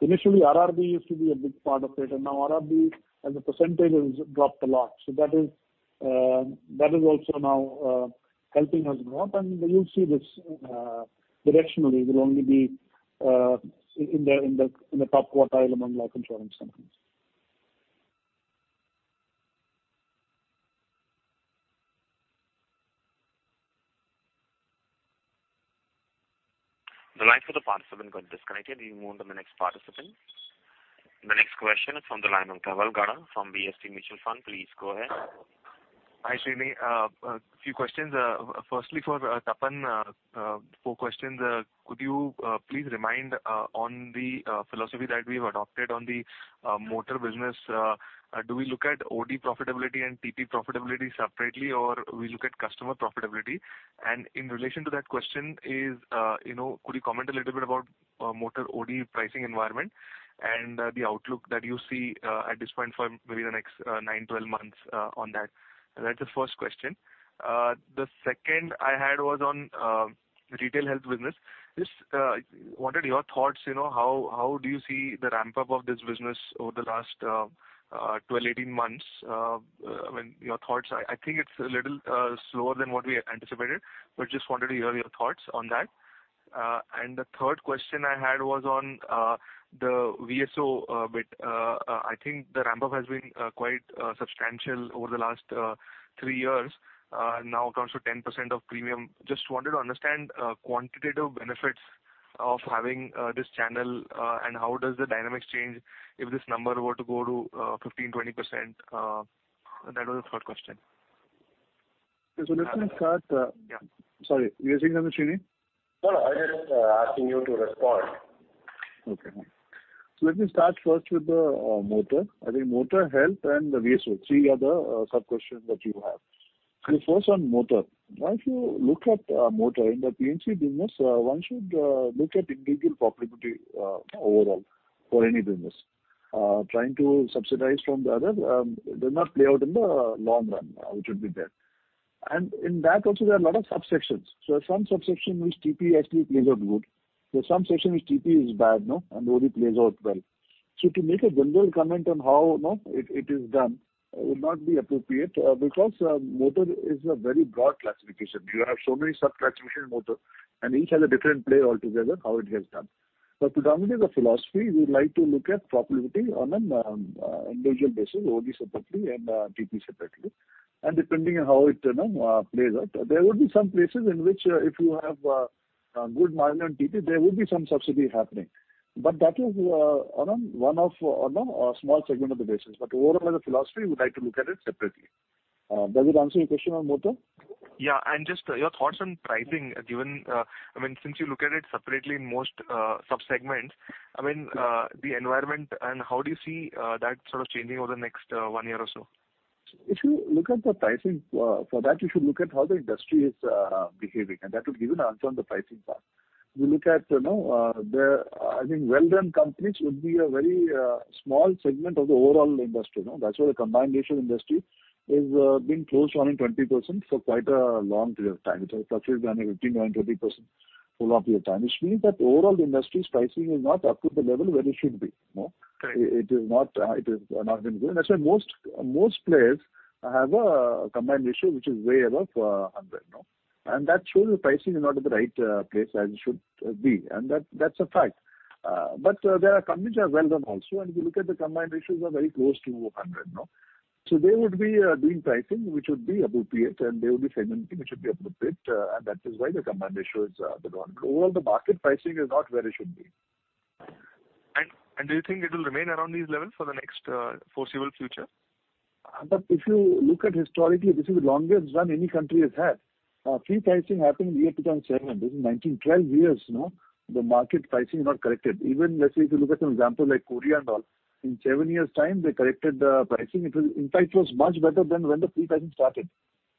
Initially, RRB used to be a big part of it. Now RRB as a percentage has dropped a lot. That is also now helping us grow. You'll see this directionally will only be in the top quartile among life insurance companies. The line for the participant got disconnected. We move to the next participant. The next question is from the line of Dhaval Gada from DSP Mutual Fund. Please go ahead. Hi, S. Sreenivasan. A few questions. Firstly, for Tapan, four questions. Could you please remind on the philosophy that we've adopted on the motor business? Do we look at OD profitability and TP profitability separately, or we look at customer profitability? In relation to that question is, could you comment a little bit about motor OD pricing environment and the outlook that you see at this point for maybe the next nine, 12 months on that? That's the first question. The second I had was on retail health business. What are your thoughts, how do you see the ramp-up of this business over the last 12, 18 months? I think it's a little slower than what we anticipated, but just wanted to hear your thoughts on that. The third question I had was on the VSO bit. I think the ramp-up has been quite substantial over the last three years. Now it accounts for 10% of premium. Just wanted to understand quantitative benefits of having this channel, and how does the dynamics change if this number were to go to 15%, 20%? That was the third question. Okay. Let me start. Yeah. Sorry. Were you saying something, Srini? No, I'm just asking you to respond. Okay. Let me start first with the motor. I think motor, health and the VSO, three are the sub-questions that you have. First on motor. Once you look at motor in the P&C business, one should look at individual profitability overall for any business. Trying to subsidize from the other does not play out in the long run, it should be there. In that also there are a lot of subsections. Some subsection which TP actually plays out good. Some section which TP is bad and OD plays out well. To make a general comment on how it is done will not be appropriate because motor is a very broad classification. You have so many sub-classification motor and each has a different play altogether, how it has done. To come into the philosophy, we would like to look at profitability on an individual basis, OD separately and TP separately, and depending on how it plays out. There will be some places in which if you have a good margin on TP, there will be some subsidy happening. That is one of a small segment of the business. Overall, the philosophy, we like to look at it separately. Does it answer your question on motor? Yeah. Just your thoughts on pricing, since you look at it separately in most sub-segments, the environment and how do you see that changing over the next one year or so? If you look at the pricing, for that you should look at how the industry is behaving and that would give you an answer on the pricing part. I think well-run companies would be a very small segment of the overall industry. That's why the combined ratio industry has been close to only 20% for quite a long period of time. It has touched 15%, 20% for all of your time, which means that overall industry pricing is not up to the level where it should be. Right. It is not been good. That's why most players have a combined ratio which is way above 100. That shows the pricing is not at the right place as it should be. That's a fact. There are companies which are well-run also, and if you look at the combined ratios are very close to 100. They would be doing pricing, which would be appropriate, and they would be segmenting, which would be appropriate, and that is why the combined ratio is the one. Overall, the market pricing is not where it should be. Do you think it'll remain around these levels for the next foreseeable future? If you look at historically, this is the longest run any country has had. Free pricing happened in the year 2007. This is 1912 years. The market pricing is not corrected. Even let's say if you look at an example like Korea and all, in seven years' time, they corrected the pricing. In fact, it was much better than when the free pricing started.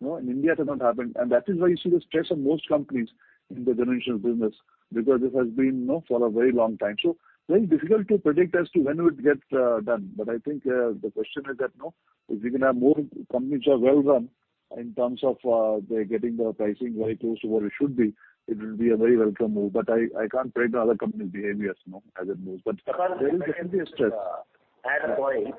In India, it has not happened. That is why you see the stress on most companies in the general insurance business because this has been for a very long time. Very difficult to predict as to when it would get done. I think the question is that if we can have more companies which are well-run in terms of they're getting the pricing very close to where it should be, it will be a very welcome move. I can't predict other companies' behaviors as it moves. There is going to be a stress. Tapan, can I just add a point?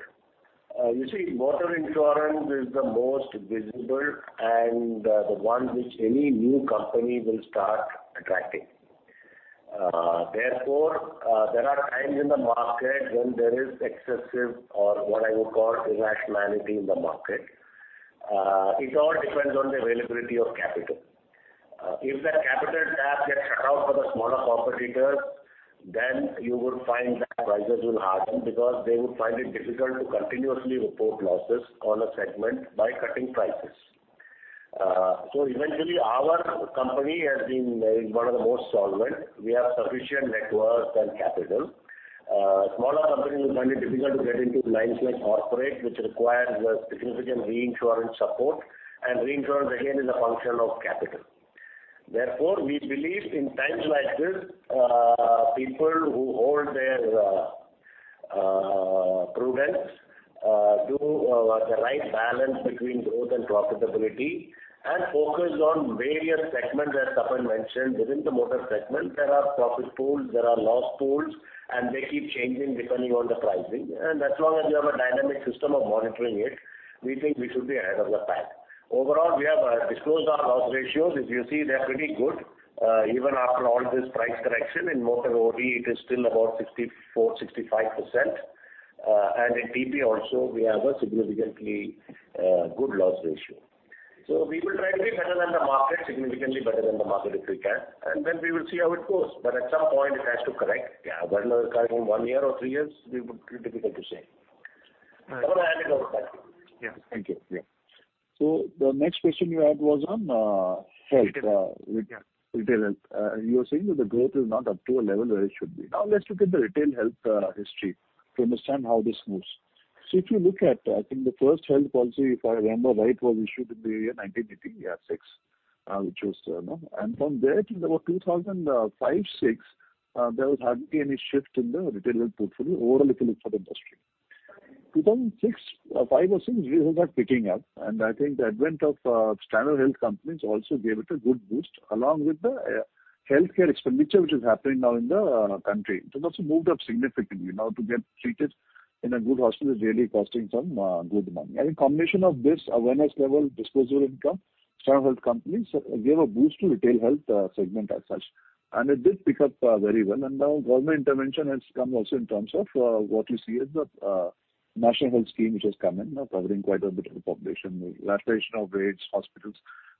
You see, motor insurance is the most visible and the one which any new company will start attracting. There are times in the market when there is excessive or what I would call irrationality in the market. It all depends on the availability of capital. If that capital tap gets shut out for the smaller competitors, you would find that prices will harden because they would find it difficult to continuously report losses on a segment by cutting prices. Eventually our company is one of the most solvent. We have sufficient networks and capital. Smaller companies will find it difficult to get into lines like corporate, which requires a significant reinsurance support. Reinsurance again is a function of capital. Therefore, we believe in times like this, people who hold their prudence do the right balance between growth and profitability and focus on various segments. As Tapan mentioned, within the motor segment, there are profit pools, there are loss pools, and they keep changing depending on the pricing. As long as you have a dynamic system of monitoring it, we think we should be ahead of the pack. Overall, we have disclosed our loss ratios. If you see, they're pretty good. Even after all this price correction in motor OD, it is still about 64%-65%. In TP also, we have a significantly good loss ratio. We will try to be better than the market, significantly better than the market if we can, and then we will see how it goes. At some point it has to correct. Yeah. Whether it will correct in one year or three years, it would be difficult to say. Tapan, add anything else. Yeah. Thank you. The next question you had was on health. Retail. Retail. You were saying that the growth is not up to a level where it should be. Let's look at the retail health history to understand how this moves. If you look at, I think the first health policy, if I remember right, was issued in the year 1986. From there till about 2005, 2006, there was hardly any shift in the retail health portfolio overall if you look for the industry. 2006, five or six years ago, it was picking up, and I think the advent of standalone health companies also gave it a good boost along with the healthcare expenditure which is happening now in the country. It has also moved up significantly now to get treated in a good hospital is really costing some good money. In combination of this awareness level, disposable income, standard health companies gave a boost to retail health segment as such. It did pick up very well. Now government intervention has come also in terms of what you see as the National Health Scheme, which has come in now covering quite a bit of the population, relaxation of rates, hospitals.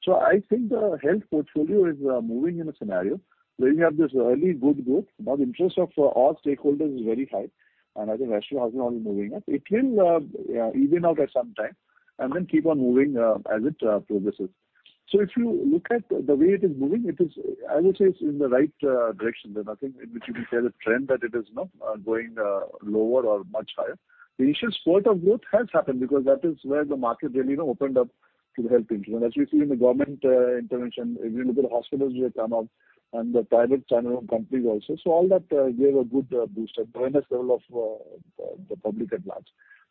I think the health portfolio is moving in a scenario where you have this early good growth. Now the interest of all stakeholders is very high, and I think rationalization also moving up. It will even out at some time and then keep on moving as it progresses. If you look at the way it is moving, I would say it's in the right direction. There's nothing in which you can tell a trend that it is not going lower or much higher. The initial spurt of growth has happened because that is where the market really opened up to the health insurance. As we see in the government intervention, if you look at hospitals which have come up and the private channel companies also. All that gave a good boost, awareness level of the public at large.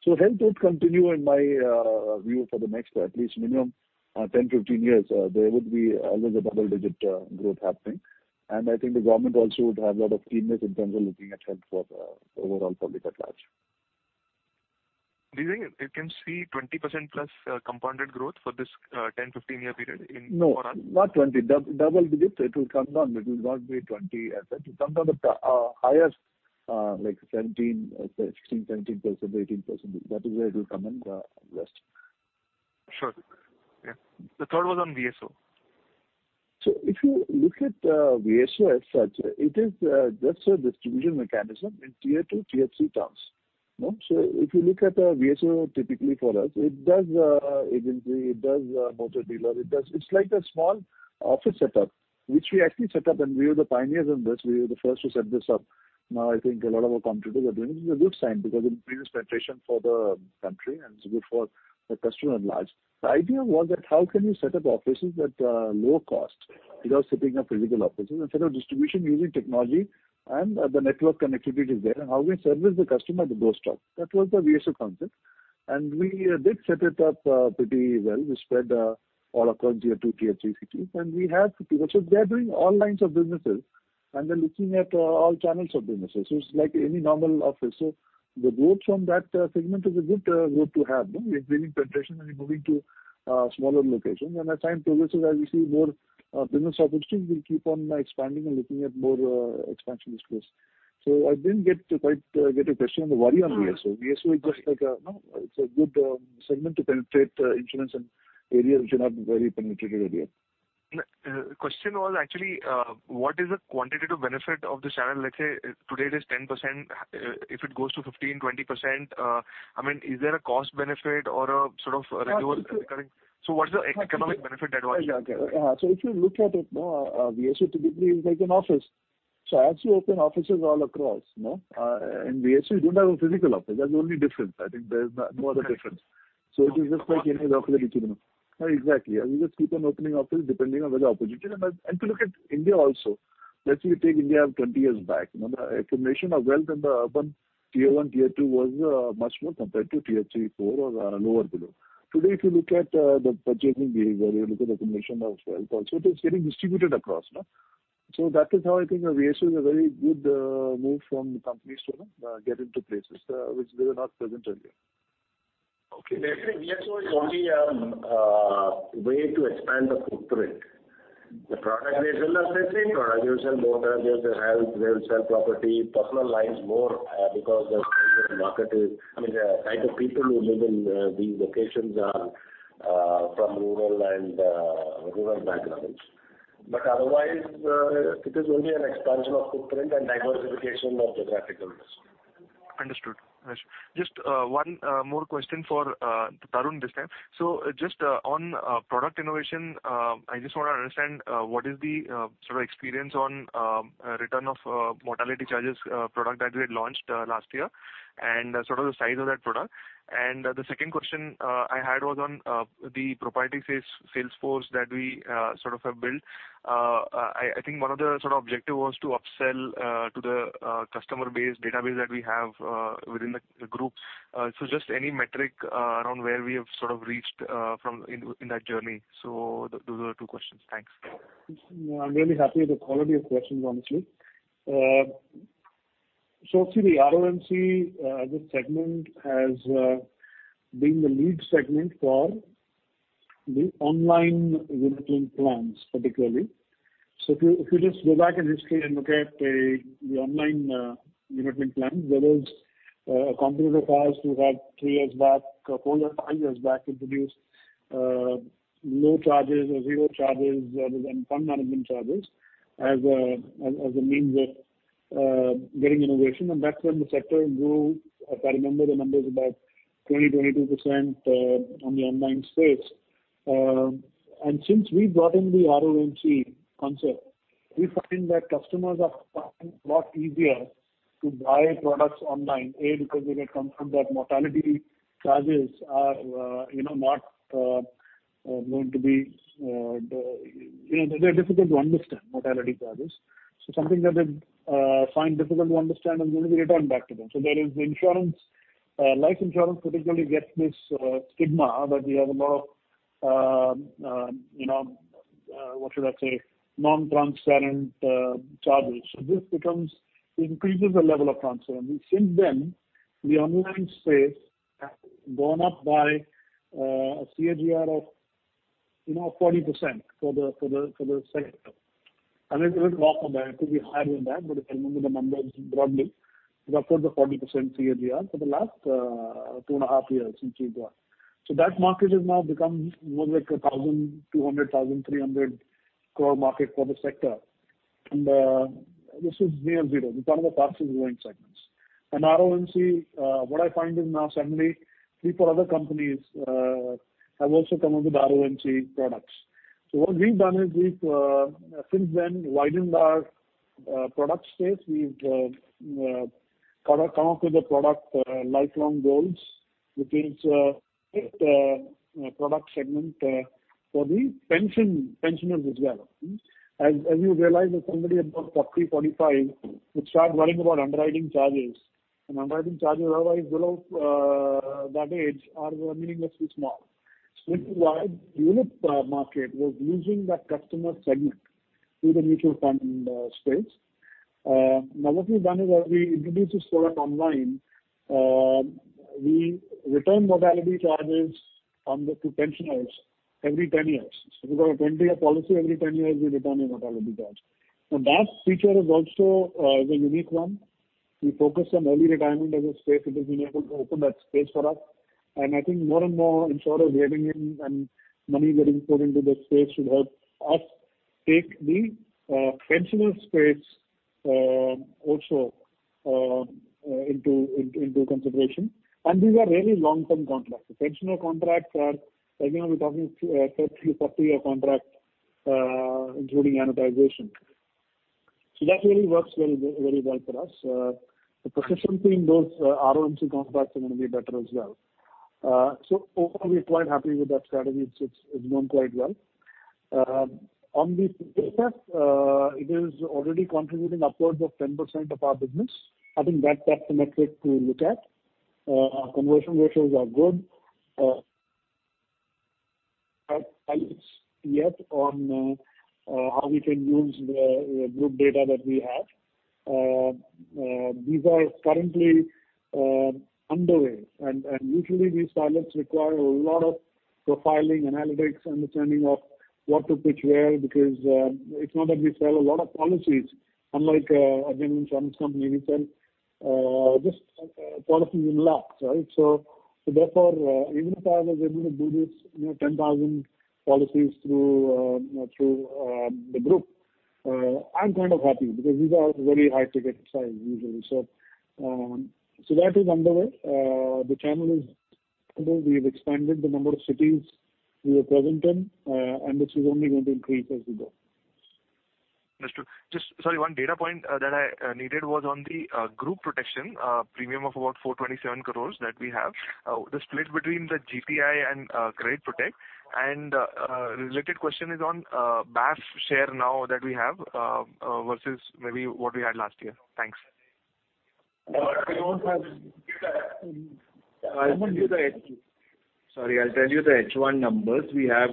Health would continue, in my view, for the next at least minimum, 10, 15 years. There would be always a double-digit growth happening. I think the government also would have a lot of keenness in terms of looking at health for overall public at large. Do you think it can see 20% plus compounded growth for this 10, 15-year period in overall? No, not 20. Double digits. It will come down. It will not be 20 as such. It comes down to highest like 16%, 17%, 18%. That is where it will come in, roughly. Sure. Yeah. The third was on VSO. If you look at VSO as such, it is just a distribution mechanism in tier 2, tier 3 towns. If you look at VSO typically for us, it does agency, it does motor dealer. It's like a small office set up, which we actually set up and we were the pioneers in this. We were the first to set this up. Now I think a lot of our competitors are doing it, which is a good sign because it increases penetration for the country and it's good for the customer at large. The idea was that how can you set up offices at low cost without setting up physical offices and set up distribution using technology and the network connectivity is there, and how we service the customer at the doorstep. That was the VSO concept, and we did set it up pretty well. We spread all across tier 2, tier 3 cities, and we have people. They're doing all lines of businesses and they're looking at all channels of businesses. It's like any normal office. The growth from that segment is a good growth to have. You're increasing penetration and you're moving to smaller locations. As time progresses, as you see more business opportunities, we'll keep on expanding and looking at more expansion disclose. I didn't quite get your question. Why on VSO? VSO is just like a good segment to penetrate insurance in areas which are not very penetrated area. No. Question was actually what is the quantitative benefit of this channel? Let's say today it is 10%. If it goes to 15%, 20%, is there a cost benefit or a sort of regular recurring? What's the economic benefit that one gives? Okay. If you look at it, VSO typically is like an office. As you open offices all across. In VSO, you don't have a physical office. That's the only difference. I think there's no other difference. It is just like any other office that you know. Exactly. As you just keep on opening office depending on where the opportunity. If you look at India also, let's say we take India of 20 years back. The accumulation of wealth in the urban tier 1, tier 2 was much more compared to tier 3, 4 or lower below. Today, if you look at the purchasing behavior, you look at accumulation of wealth also, it is getting distributed across. That is how I think VSO is a very good move from companies to get into places which they were not present earlier. Okay. Basically, VSO is only a way to expand the footprint. The product they sell are the same. They will sell motor, they will sell health, they will sell property, personal lines more because the type of people who live in these locations are from rural backgrounds. Otherwise, it is only an expansion of footprint and diversification of geographical risk. Understood. Just one more question for Tarun this time. Just on product innovation, I just want to understand what is the sort of experience on return of mortality charges product that we had launched last year and sort of the size of that product. The second question I had was on the proprietary sales force that we sort of have built. I think one of the objective was to upsell to the customer base database that we have within the group. Just any metric around where we have sort of reached in that journey. Those are the two questions. Thanks. I'm really happy with the quality of questions, honestly. See the RoMC, this segment has been the lead segment for the online unit link plans, particularly. If you just go back in history and look at the online unit link plans, there was a competitive wars we had three years back, four or five years back introduced low charges or zero charges, that is on fund management charges as a means of getting innovation. That's when the sector grew. If I remember the numbers, about 20-22% on the online space. Since we've brought in the RoMC concept, we find that customers are finding it a lot easier to buy products online. Because they get confirmed that mortality charges are very difficult to understand. Something that they find difficult to understand is going to be returned back to them. There is life insurance particularly gets this stigma that we have a lot of, what should I say, non-transparent charges. This increases the level of transparency. Since then, the online space has gone up by a CAGR of 40% for the sector. It could be higher than that, but if I remember the numbers broadly, it's upwards of 40% CAGR for the last two and a half years since we've got. That market has now become more like a 1,200 crore, 1,300 crore market for the sector. This is near zero. It's one of the fastest growing segments. RoMC, what I find is now suddenly three, four other companies have also come up with RoMC products. What we've done is we've, since then, widened our product space. We've come up with a product, Lifelong Goals, which is a product segment for the pensioners as well. As you realize that somebody above 40, 45 would start worrying about underwriting charges, and underwriting charges otherwise below that age are meaningfully small. It's a wide unit-linked market was losing that customer segment to the mutual fund space. Now, what we've done is as we introduce this product online, we return mortality charges to pensioners every 10 years. If you've got a 10-year policy, every 10 years we return your mortality charge. That feature is also a unique one. We focus on early retirement as a space which has been able to open that space for us. I think more and more insurers weighing in and money getting put into this space should help us take the pensioner space also into consideration. These are really long-term contracts. The pensioner contracts are, right now we're talking a 30, 40-year contract including amortization. That really works very well for us. The persistence in those RoMC contracts are going to be better as well. Overall, we're quite happy with that strategy. It's going quite well. On the business, it is already contributing upwards of 10% of our business. I think that's the metric to look at. Conversion ratios are good. Pilots yet on how we can use the group data that we have. These are currently underway, and usually these pilots require a lot of profiling, analytics, understanding of what to pitch where, because it's not that we sell a lot of policies. Unlike a general insurance company, we sell just policies in INR lakhs. Therefore, even if I was able to do this 10,000 policies through the group, I'm kind of happy because these are very high-ticket size usually. That is underway. The channel is underway. We've expanded the number of cities we are present in, and this is only going to increase as we go. Understood. Sorry, one data point that I needed was on the group protection premium of about 427 crores that we have. The split between the GPI and Credit Protect. Related question is on BAF share now that we have versus maybe what we had last year. Thanks. We don't have data. Sorry, I'll tell you the H1 numbers. We have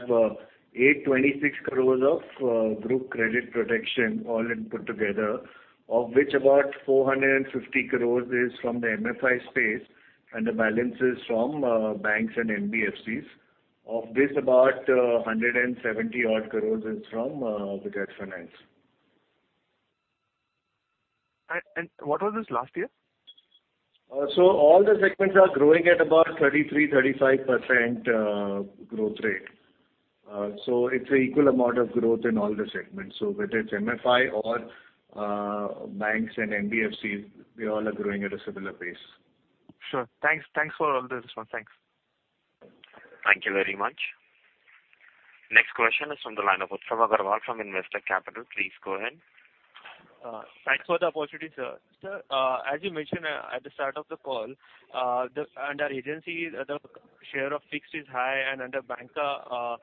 826 crores of group credit protection all in put together, of which about 450 crores is from the MFI space. The balance is from banks and NBFCs. Of this about 170 odd crores is from Bajaj Finance. What was this last year? All the segments are growing at about 33%-35% growth rate. It's an equal amount of growth in all the segments. Whether it's MFI or banks and NBFCs, they all are growing at a similar pace. Sure. Thanks for all this, thanks. Thank you very much. Next question is from the line of Utsav Agarwal from Investec Capital. Please go ahead. Thanks for the opportunity, sir. Sir, as you mentioned at the start of the call, under agency, the share of fixed is high, and under bank, the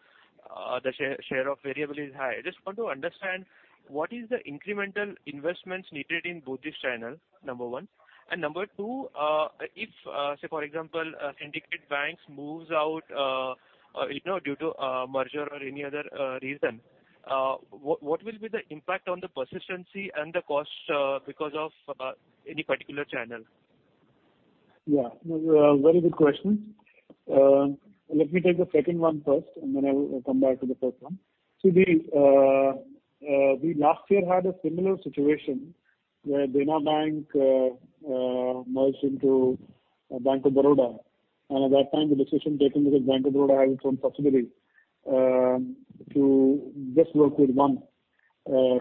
share of variable is high. I just want to understand what is the incremental investments needed in both these channels, number 1. Number 2, if, say, for example, Syndicate Bank moves out due to a merger or any other reason, what will be the impact on the persistency and the cost because of any particular channel? Yeah, very good question. Let me take the second one first, and then I will come back to the first one. See, we last year had a similar situation where Dena Bank merged into Bank of Baroda, and at that time, the decision taken because Bank of Baroda has its own possibility to just work with one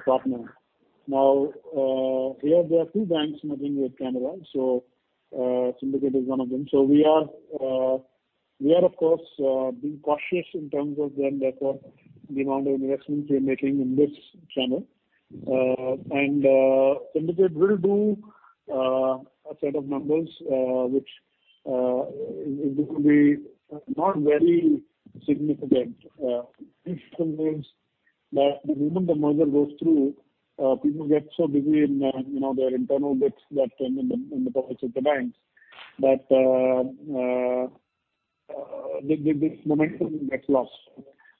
partner. Here there are two banks merging with Canara, so Syndicate is one of them. We are, of course, being cautious in terms of then therefore the amount of investments we are making in this channel. Syndicate will do a set of numbers which will be not very significant. History shows that the moment the merger goes through people get so busy in their internal bits in the politics of the banks that this momentum gets lost.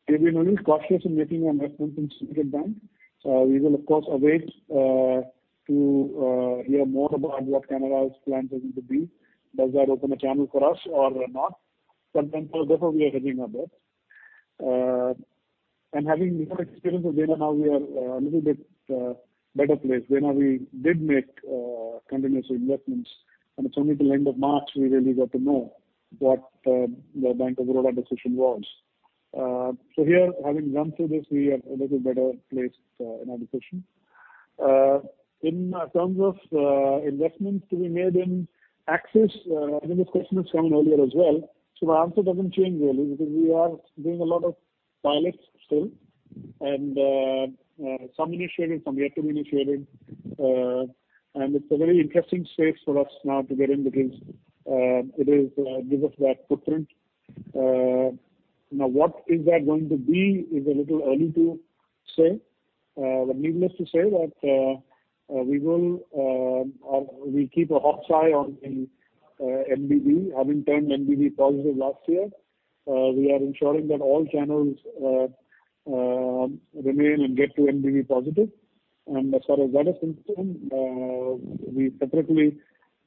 We've been a little cautious in making investments in Syndicate Bank. We will, of course, await to hear more about what Canara's plan is going to be. Does that open a channel for us or not? Sometimes, therefore we are hedging our bets. Having more experience with Dena now we are little bit better placed. Dena we did make continuous investments, and it's only till end of March we really got to know what the Bank of Baroda decision was. Here, having gone through this, we are a little better placed in our decision. In terms of investments to be made in Axis, I think this question has come in earlier as well, my answer doesn't change really because we are doing a lot of pilots still. Some initiated, some yet to be initiated. It's a very interesting space for us now to get in because it gives us that footprint. Now what is that going to be is a little early to say. Needless to say that we keep a hawk's eye on the NBV, having turned NBV positive last year. We are ensuring that all channels remain and get to NBV positive. As far as that is concerned we separately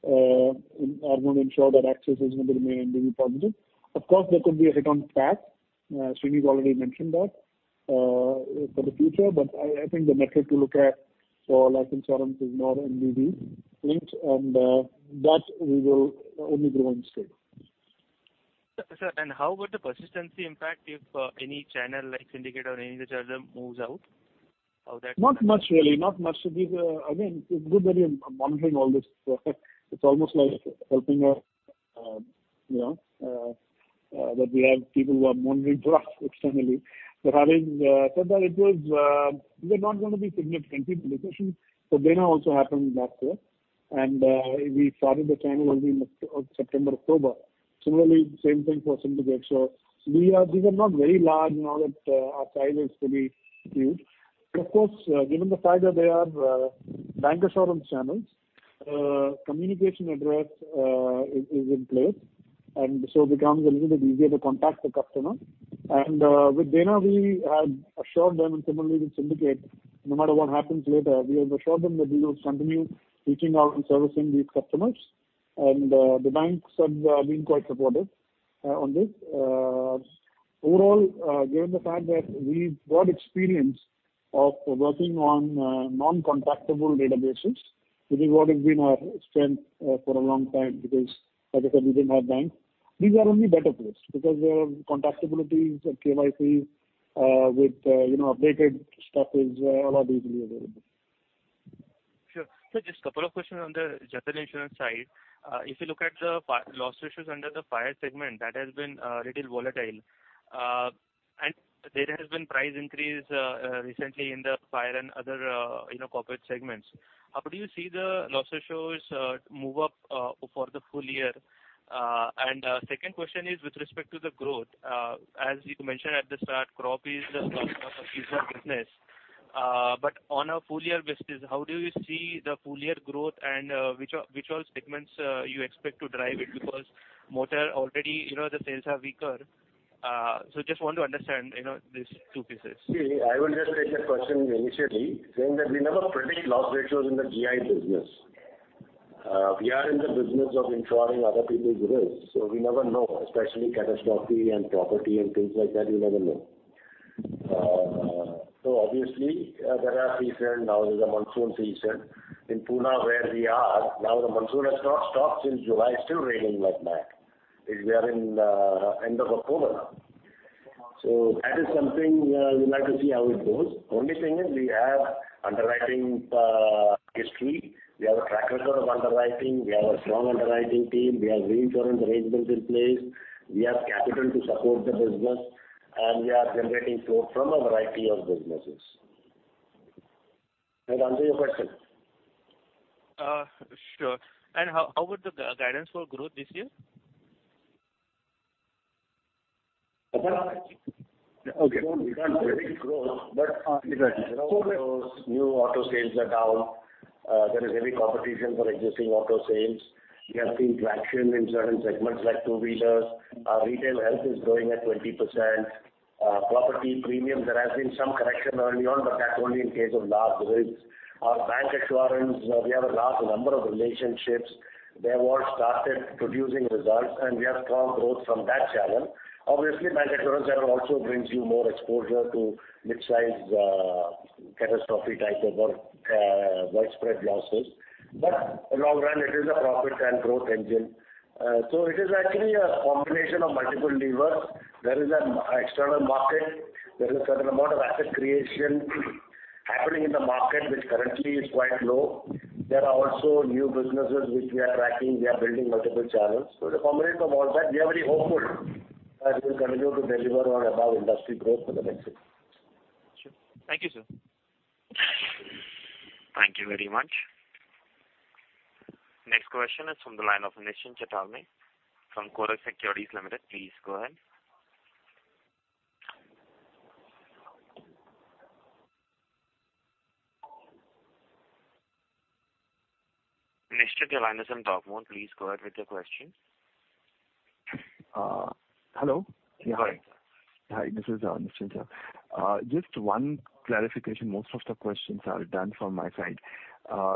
are going to ensure that Axis is going to remain NBV positive. Of course, there could be a hit on PAT. S. Sreenivasan already mentioned that for the future. I think the metric to look at for life insurance is more NBV linked, and that we will only grow in scale. Sir, how would the persistency impact if any channel like Syndicate or any other channel moves out? Not much really. Not much. Again, it's good that you're monitoring all this, it's almost like helping us. We have people who are monitoring for us externally. Having said that, they're not going to be significant. The decision for Dena Bank also happened last year, and we started the channel only in September, October. Similarly, same thing for Syndicate Bank. These are not very large nor that our size is very huge. Of course, given the fact that they are bancassurance channels, communication address is in place and so it becomes a little bit easier to contact the customer. With Dena Bank, we had assured them, and similarly with Syndicate Bank, no matter what happens later, we have assured them that we will continue reaching out and servicing these customers. The banks have been quite supportive on this. Overall, given the fact that we've got experience of working on non-contactable databases, this is what has been our strength for a long time because, like I said, we didn't have banks. These are only better placed because contactabilities or KYCs with updated stuff is a lot easily available. Sure. Sir, just couple of questions on the general insurance side. If you look at the loss ratios under the fire segment, that has been a little volatile. There has been price increase recently in the fire and other corporate segments. How do you see the loss ratios move up for the full year? Second question is with respect to the growth. As you mentioned at the start, crop is business. On a full year basis, how do you see the full year growth and which all segments you expect to drive it because motor already, the sales are weaker. Just want to understand these two pieces. I will just take that question initially saying that we never predict loss ratios in the GI business. We are in the business of insuring other people's risk, so we never know, especially catastrophe and property and things like that, you never know. Obviously, there are seasons. There's a monsoon season in Pune where we are. The monsoon has not stopped since July, it's still raining like mad. We are in the end of October now. That is something we'd like to see how it goes. Only thing is we have underwriting history. We have a track record of underwriting. We have a strong underwriting team. We have reinsurance arrangements in place. We have capital to support the business, and we are generating flow from a variety of businesses. Does that answer your question? Sure. How was the guidance for growth this year? Okay. We can't predict growth. New auto sales are down. There is heavy competition for existing auto sales. We have seen traction in certain segments like two-wheelers. Our retail health is growing at 20%. Property premiums, there has been some correction early on. That's only in case of large risks. Our bank assurance, we have a large number of relationships. They have all started producing results. We have strong growth from that channel. Obviously, bank assurance that also brings you more exposure to midsize catastrophe type of widespread losses. In the long run, it is a profit and growth engine. It is actually a combination of multiple levers. There is an external market. There is a certain amount of asset creation happening in the market, which currently is quite low. There are also new businesses which we are tracking. We are building multiple channels. It's a combination of all that. We are very hopeful that we'll continue to deliver our above-industry growth for the next year. Sure. Thank you, sir. Thank you very much. Next question is from the line of Nishant Chitale from Kotak Securities Limited. Please go ahead. Nishant, your line is on talk mode. Please go ahead with your question. Hello. Go ahead. Hi, this is Nishant. Just one clarification. Most of the questions are done from my side.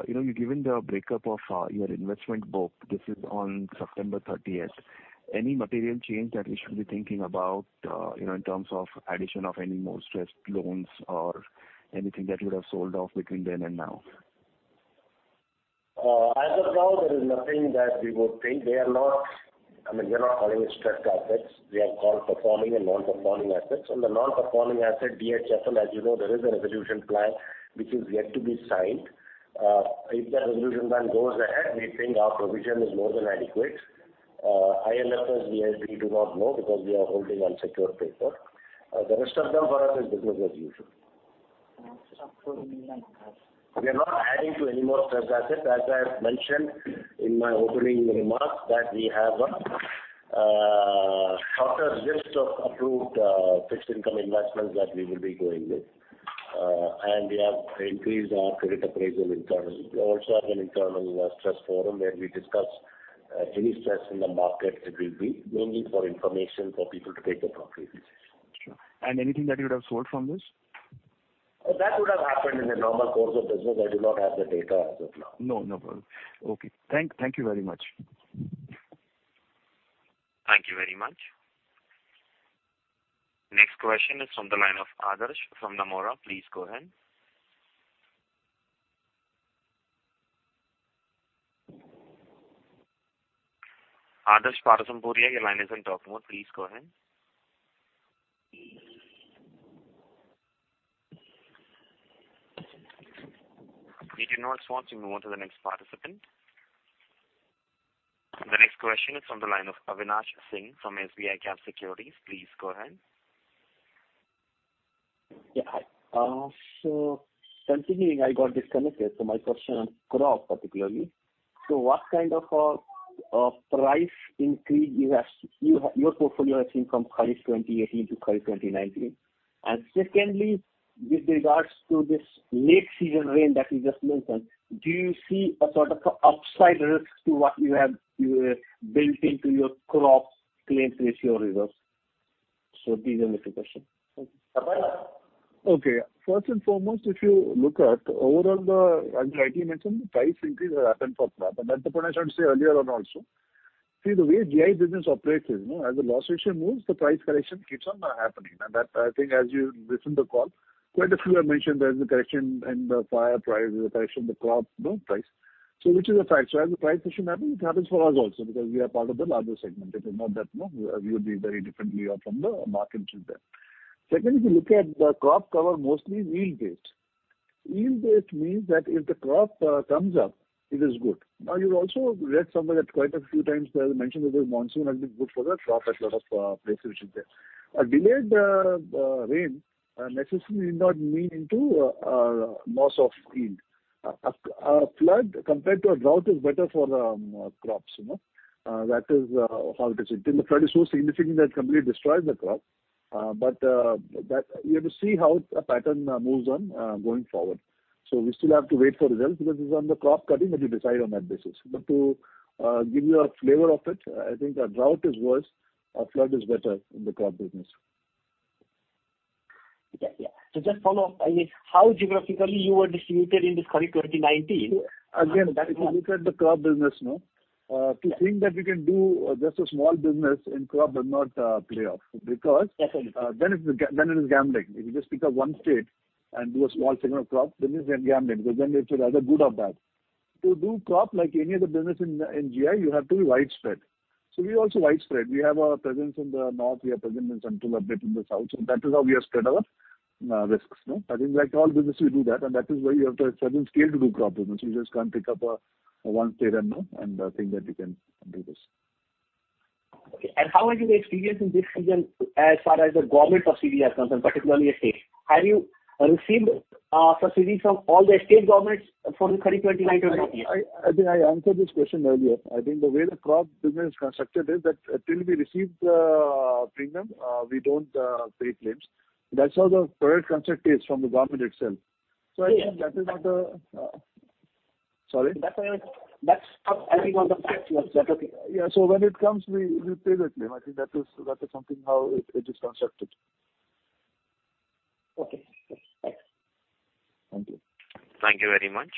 You've given the breakup of your investment book. This is on September 30th. Any material change that we should be thinking about in terms of addition of any more stressed loans or anything that you would have sold off between then and now? As of now, there is nothing that we would think. We're not calling it stressed assets. We are call performing and non-performing assets. On the non-performing asset, DHFL, as you know, there is a resolution plan which is yet to be signed. If that resolution plan goes ahead, we think our provision is more than adequate. IL&FS, [VIP], do not know because we are holding unsecured paper. The rest of them for us is business as usual. We are not adding to any more stressed assets. As I've mentioned in my opening remarks that we have a shorter list of approved fixed income investments that we will be going with. We have increased our credit appraisal internally. We also have an internal stress forum where we discuss any stress in the market it will be, mainly for information for people to take appropriate decisions. Sure. Anything that you would have sold from this? That would have happened in the normal course of business. I do not have the data as of now. No problem. Okay. Thank you very much. Thank you very much. Next question is from the line of Adarsh from Nomura. Please go ahead. Adarsh Parasrampuria, your line is on talk mode. Please go ahead. If you do not want to, move on to the next participant. The next question is from the line of Avinash Singh from SBICAP Securities. Please go ahead. Yeah. Hi. Continuing, I got disconnected. My question on crop, particularly. What kind of a price increase your portfolio has seen from Kharif 2018 to Kharif 2019? Secondly, with regards to this late season rain that you just mentioned, do you see a sort of upside risk to what you have built into your crop claim ratio reserve? These are the two questions. Thank you. Okay. First and foremost, if you look at overall, as the IT mentioned, the price increase has happened for crop. That's what I tried to say earlier on also. See, the way GI business operates is, as the loss ratio moves, the price correction keeps on happening. That, I think as you listen the call, quite a few have mentioned there is a correction in the fire price, there's a correction in the crop price. Which is a fact. As the price correction happens, it happens for us also because we are part of the larger segment. It is not that we would be very differently off from the market is there. Secondly, if you look at the crop cover, mostly is yield based. Yield based means that if the crop comes up, it is good. You've also read somewhere that quite a few times it was mentioned that the monsoon has been good for the crop at a lot of places which is there. A delayed rain necessarily need not mean into a loss of yield. A flood compared to a drought is better for crops. That is how it is. Until the flood is so significant that it completely destroys the crop. You have to see how the pattern moves on going forward. We still have to wait for results because it's on the crop cutting that you decide on that basis. To give you a flavor of it, I think a drought is worse, a flood is better in the crop business. Yeah. Just follow up. How geographically you were distributed in this Kharif 2019- If you look at the crop business To think that you can do just a small business in crop does not play off because. Definitely It is gambling. If you just pick up one state and do a small segment of crop business, then gambling, because then they say, "Either good or bad." To do crop like any other business in GI, you have to be widespread. We are also widespread. We have a presence in the North, we have presence in Central, a bit in the South. That is how we have spread our risks. I think like all business, we do that, and that is why you have to have certain scale to do crop business. You just can't pick up one state and think that you can do this. Okay. How has been the experience in this season as far as the government subsidy is concerned, particularly a state? Have you received subsidy from all the state governments for the current 2019-20 year? I think I answered this question earlier. I think the way the crop business is constructed is that till we receive the premium, we don't pay claims. That's how the product construct is from the government itself. I think that is not Sorry? That's how I think on the back end. That's okay. Yeah. When it comes, we pay the claim. I think that is something how it is constructed. Okay. Thanks. Thank you. Thank you very much.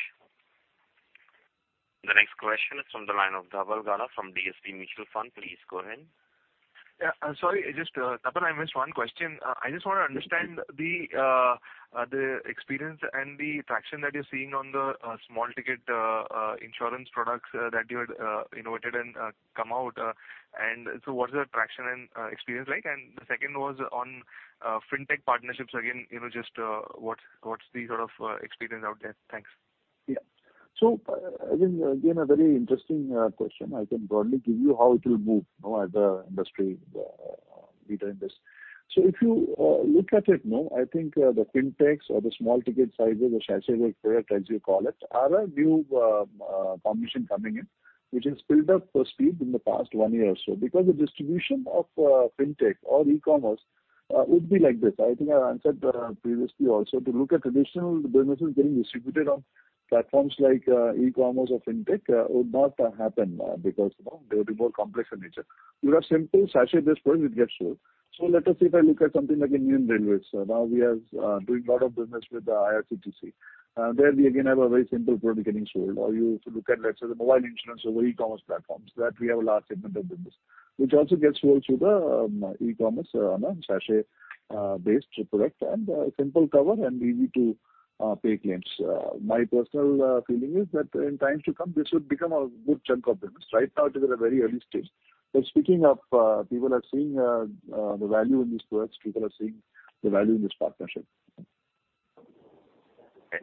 The next question is from the line of Dhaval Gada from DSP Mutual Fund. Please go ahead. Yeah. Sorry, Tapan, I missed one question. I just want to understand the experience and the traction that you're seeing on the small ticket insurance products that you had innovated and come out, and so what is the traction and experience like? The second was on fintech partnerships again, just what's the sort of experience out there? Thanks. Yeah. Again, a very interesting question. I can broadly give you how it will move as an industry leader in this. If you look at it, I think the fintechs or the small ticket sizes or sachet-based product, as you call it, are a new combination coming in, which has built up speed in the past one year or so. Because the distribution of fintech or e-commerce would be like this. I think I answered previously also. To look at traditional businesses getting distributed on platforms like e-commerce or fintech would not happen because they would be more complex in nature. You have simple sachet-based product, it gets sold. Let us say if I look at something like Indian Railways. Now we are doing lot of business with IRCTC. There we again have a very simple product getting sold. You look at, let's say, the mobile insurance over e-commerce platforms, that we have a large segment of business, which also gets sold through the e-commerce on a sachet-based product, and simple cover, and easy to pay claims. My personal feeling is that in times to come, this would become a good chunk of business. Right now, it is at a very early stage. Speaking of people are seeing the value in these products, people are seeing the value in this partnership.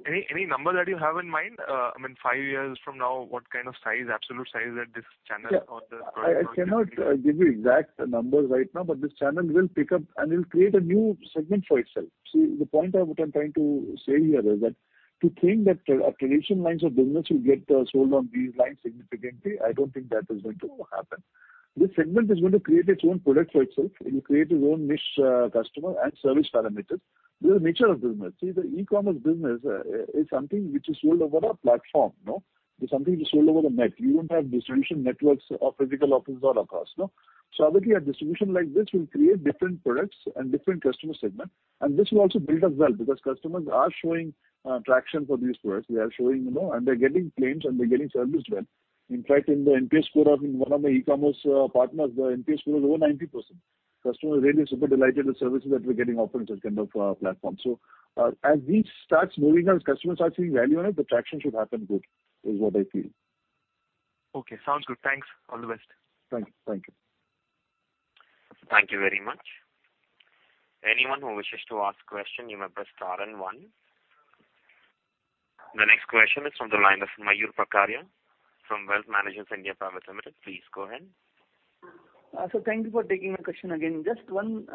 Any number that you have in mind? I mean, five years from now, what kind of absolute size that this channel or this product- I cannot give you exact numbers right now. This channel will pick up and will create a new segment for itself. See, the point what I'm trying to say here is that to think that our traditional lines of business will get sold on these lines significantly, I don't think that is going to happen. This segment is going to create its own product for itself. It will create its own niche customer and service parameters. This is the nature of business. See, the e-commerce business is something which is sold over a platform. It's something which is sold over the net. You don't have distribution networks or physical office or across. Obviously, a distribution like this will create different products and different customer segment, and this will also build up well because customers are showing traction for these products. They are showing, and they're getting claims and they're getting serviced well. In fact, in the NPS score of one of the e-commerce partners, the NPS score is over 90%. Customer is really super delighted with services that we're getting offered such kind of platform. As this starts moving, as customers start seeing value on it, the traction should happen good, is what I feel. Okay. Sounds good. Thanks. All the best. Thank you. Thank you very much. Anyone who wishes to ask question, you may press star and one. The next question is from the line of Mayur Parkeria from Wealth Managers (India) Private Limited. Please go ahead. Sir, thank you for taking my question again. Just one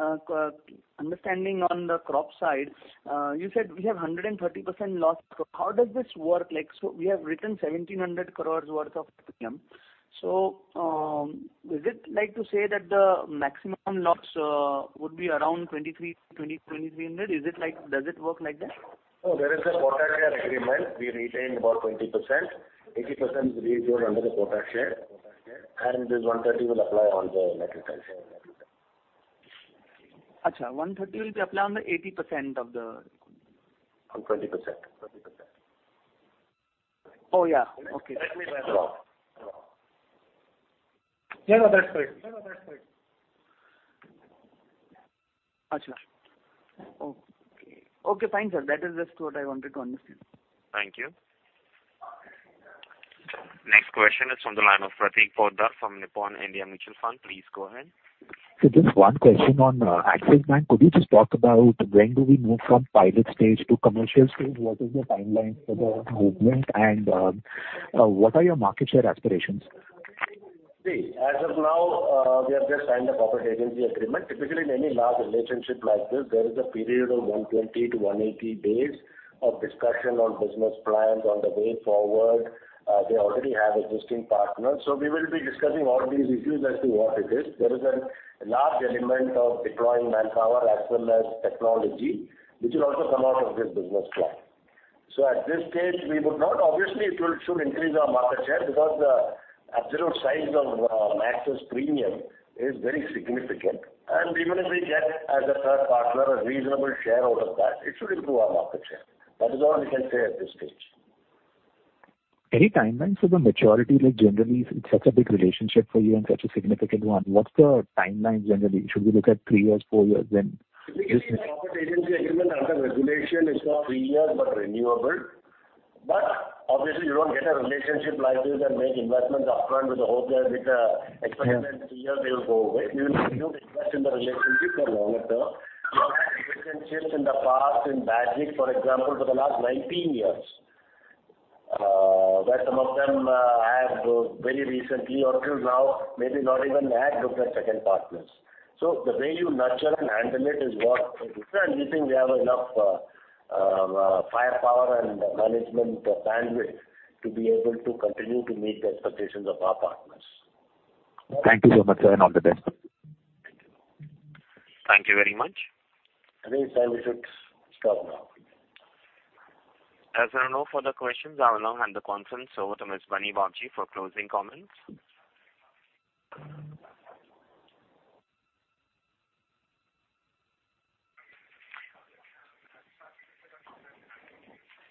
understanding on the crop side. You said we have 130% loss. How does this work? We have written 1,700 crores worth of premium. Is it like to say that the maximum loss would be around 2,300? Does it work like that? There is a quota share agreement. We retain about 20%. 80% is reserved under the quota share, and this 130 will apply on the net retained share. Okay. 130 will be applied on the 80% of the. On 20%. Oh, yeah. Okay. That means. Yeah, that's correct. Okay. Okay, fine, sir. That is just what I wanted to understand. Thank you. Next question is from the line of Prateek Poddar from Nippon India Mutual Fund. Please go ahead. Sir, just one question on Axis Bank. Could you just talk about when do we move from pilot stage to commercial stage? What is the timeline for the movement, and what are your market share aspirations? As of now, we have just signed a proper agency agreement. Typically, in any large relationship like this, there is a period of 120 to 180 days of discussion on business plans on the way forward. They already have existing partners. We will be discussing all these issues as to what it is. There is a large element of deploying manpower as well as technology, which will also come out of this business plan. At this stage, we would not. Obviously, it should increase our market share because the absolute size of Axis premium is very significant. Even if we get, as a third partner, a reasonable share out of that, it should improve our market share. That is all we can say at this stage. Any timelines for the maturity? Generally, it's such a big relationship for you and such a significant one. What's the timeline generally? Should we look at three years, four years, when- Typically, a proper agency agreement under regulation is for three years, but renewable. Obviously, you don't get a relationship like this and make investments upfront with the hope that with the expiry in three years they'll go away. You invest in the relationship for longer term. We've had relationships in the past in Bajaj, for example, for the last 19 years, where some of them have very recently or till now, maybe not even had looked at second partners. The way you nurture and handle it is what it is, and we think we have enough firepower and management bandwidth to be able to continue to meet the expectations of our partners. Thank you so much, sir, and all the best. Thank you. Thank you very much. I think time is it to stop now. As there are no further questions, I will now hand the conference over to Ms. Parni Babji for closing comments.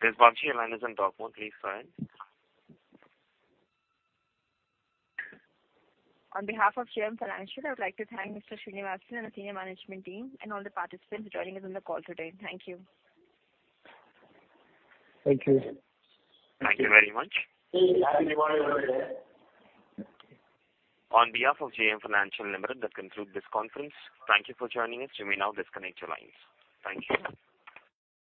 Ms. Parni Babji, your line is on talk mode. Please go ahead. On behalf of JM Financial, I would like to thank Mr. Sreenivasan and the senior management team and all the participants joining us on the call today. Thank you. Thank you. Thank you very much. Happy Diwali, everybody. On behalf of JM Financial Limited, that concludes this conference. Thank you for joining us. You may now disconnect your lines. Thank you.